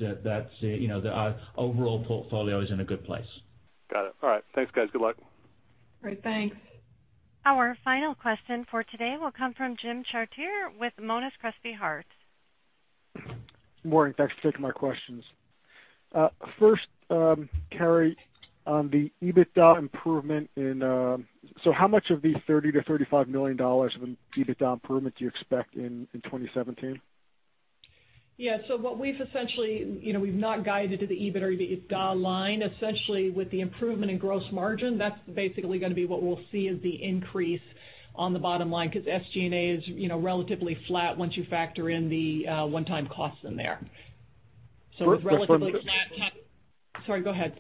our overall portfolio is in a good place. Got it. All right. Thanks, guys. Good luck. Great. Thanks. Our final question for today will come from Jim Chartier with Monness, Crespi, Hardt & Co. Morning. Thanks for taking my questions. First, Carrie, on the EBITDA improvement, how much of the $30 to $35 million of EBITDA improvement do you expect in 2017? What we've essentially, we've not guided to the EBIT or the EBITDA line, essentially with the improvement in gross margin, that's basically going to be what we'll see as the increase on the bottom line, because SG&A is relatively flat once you factor in the one-time costs in there. Relatively flat. For- Sorry, go ahead.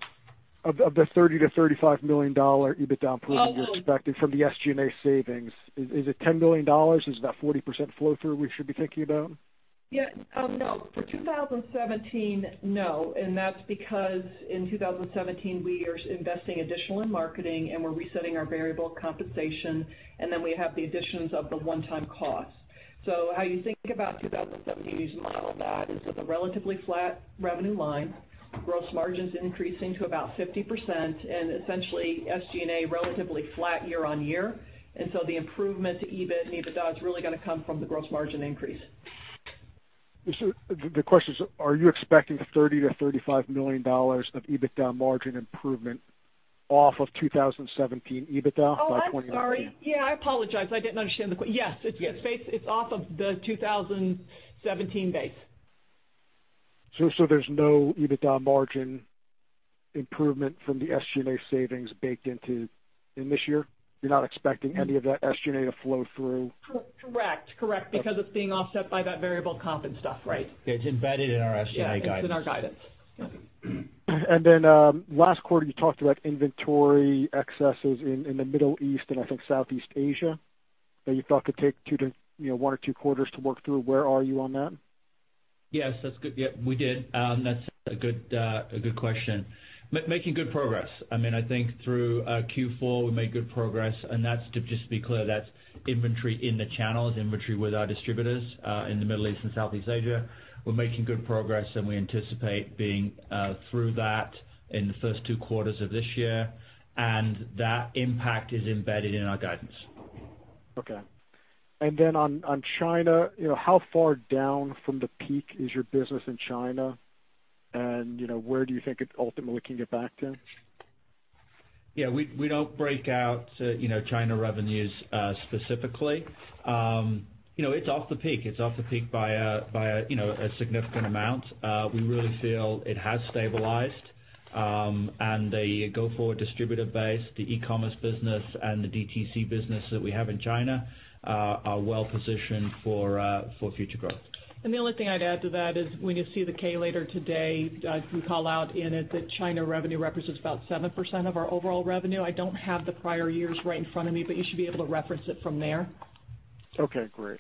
Of the $30 million-$35 million EBITDA improvement you're expecting from the SG&A savings, is it $10 million? Is that 40% flow-through we should be thinking about? For 2017, no, that's because in 2017, we are investing additional in marketing, we're resetting our variable compensation, we have the additions of the one-time costs. How you think about 2017, you model that is with a relatively flat revenue line, gross margins increasing to about 50%, essentially SG&A relatively flat year-on-year. The improvement to EBIT and EBITDA is really going to come from the gross margin increase. The question is, are you expecting $30 million-$35 million of EBITDA margin improvement off of 2017 EBITDA by 2019? I'm sorry. I apologize. I didn't understand the question. Yes. It's off of the 2017 base. There's no EBITDA margin improvement from the SG&A savings baked into this year? You're not expecting any of that SG&A to flow through? Correct. It's being offset by that variable comp and stuff. Right. It's embedded in our SG&A guidance. Yeah, it's in our guidance. Yeah. Last quarter, you talked about inventory excesses in the Middle East and I think Southeast Asia that you thought could take one or two quarters to work through. Where are you on that? Yes, that's good. Yeah, we did. That's a good question. Making good progress. I think through Q4, we made good progress, and to just be clear, that's inventory in the channels, inventory with our distributors, in the Middle East and Southeast Asia. We're making good progress, and we anticipate being through that in the first two quarters of this year, and that impact is embedded in our guidance. Okay. On China, how far down from the peak is your business in China? Where do you think it ultimately can get back to? Yeah. We don't break out China revenues specifically. It's off the peak. It's off the peak by a significant amount. We really feel it has stabilized. The go-forward distributor base, the e-commerce business, and the DTC business that we have in China are well-positioned for future growth. The only thing I'd add to that is when you see the K later today, we call out in it that China revenue represents about 7% of our overall revenue. I don't have the prior years right in front of me, but you should be able to reference it from there. Okay, great.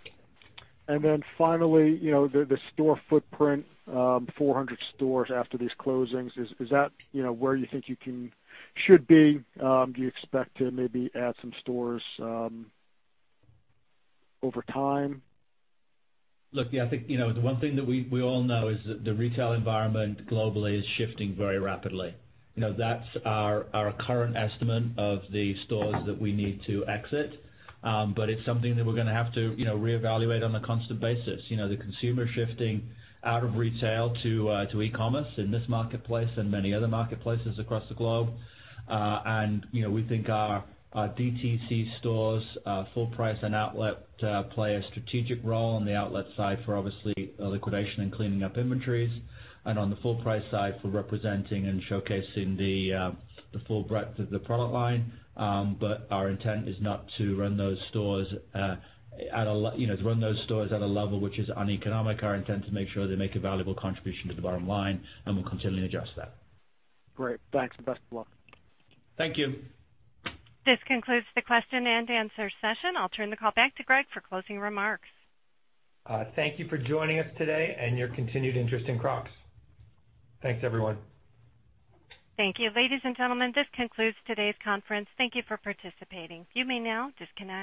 Finally, the store footprint, 400 stores after these closings, is that where you think you should be? Do you expect to maybe add some stores over time? I think, the one thing that we all know is that the retail environment globally is shifting very rapidly. That's our current estimate of the stores that we need to exit. It's something that we're going to have to reevaluate on a constant basis. The consumer shifting out of retail to e-commerce in this marketplace and many other marketplaces across the globe. We think our DTC stores, full price and outlet, play a strategic role on the outlet side for obviously liquidation and cleaning up inventories, and on the full price side for representing and showcasing the full breadth of the product line. Our intent is not to run those stores at a level which is uneconomic. Our intent is to make sure they make a valuable contribution to the bottom line, and we'll continually adjust that. Great. Thanks. Best of luck. Thank you. This concludes the question and answer session. I'll turn the call back to Gregg for closing remarks. Thank you for joining us today and your continued interest in Crocs. Thanks, everyone. Thank you. Ladies and gentlemen, this concludes today's conference. Thank you for participating. You may now disconnect.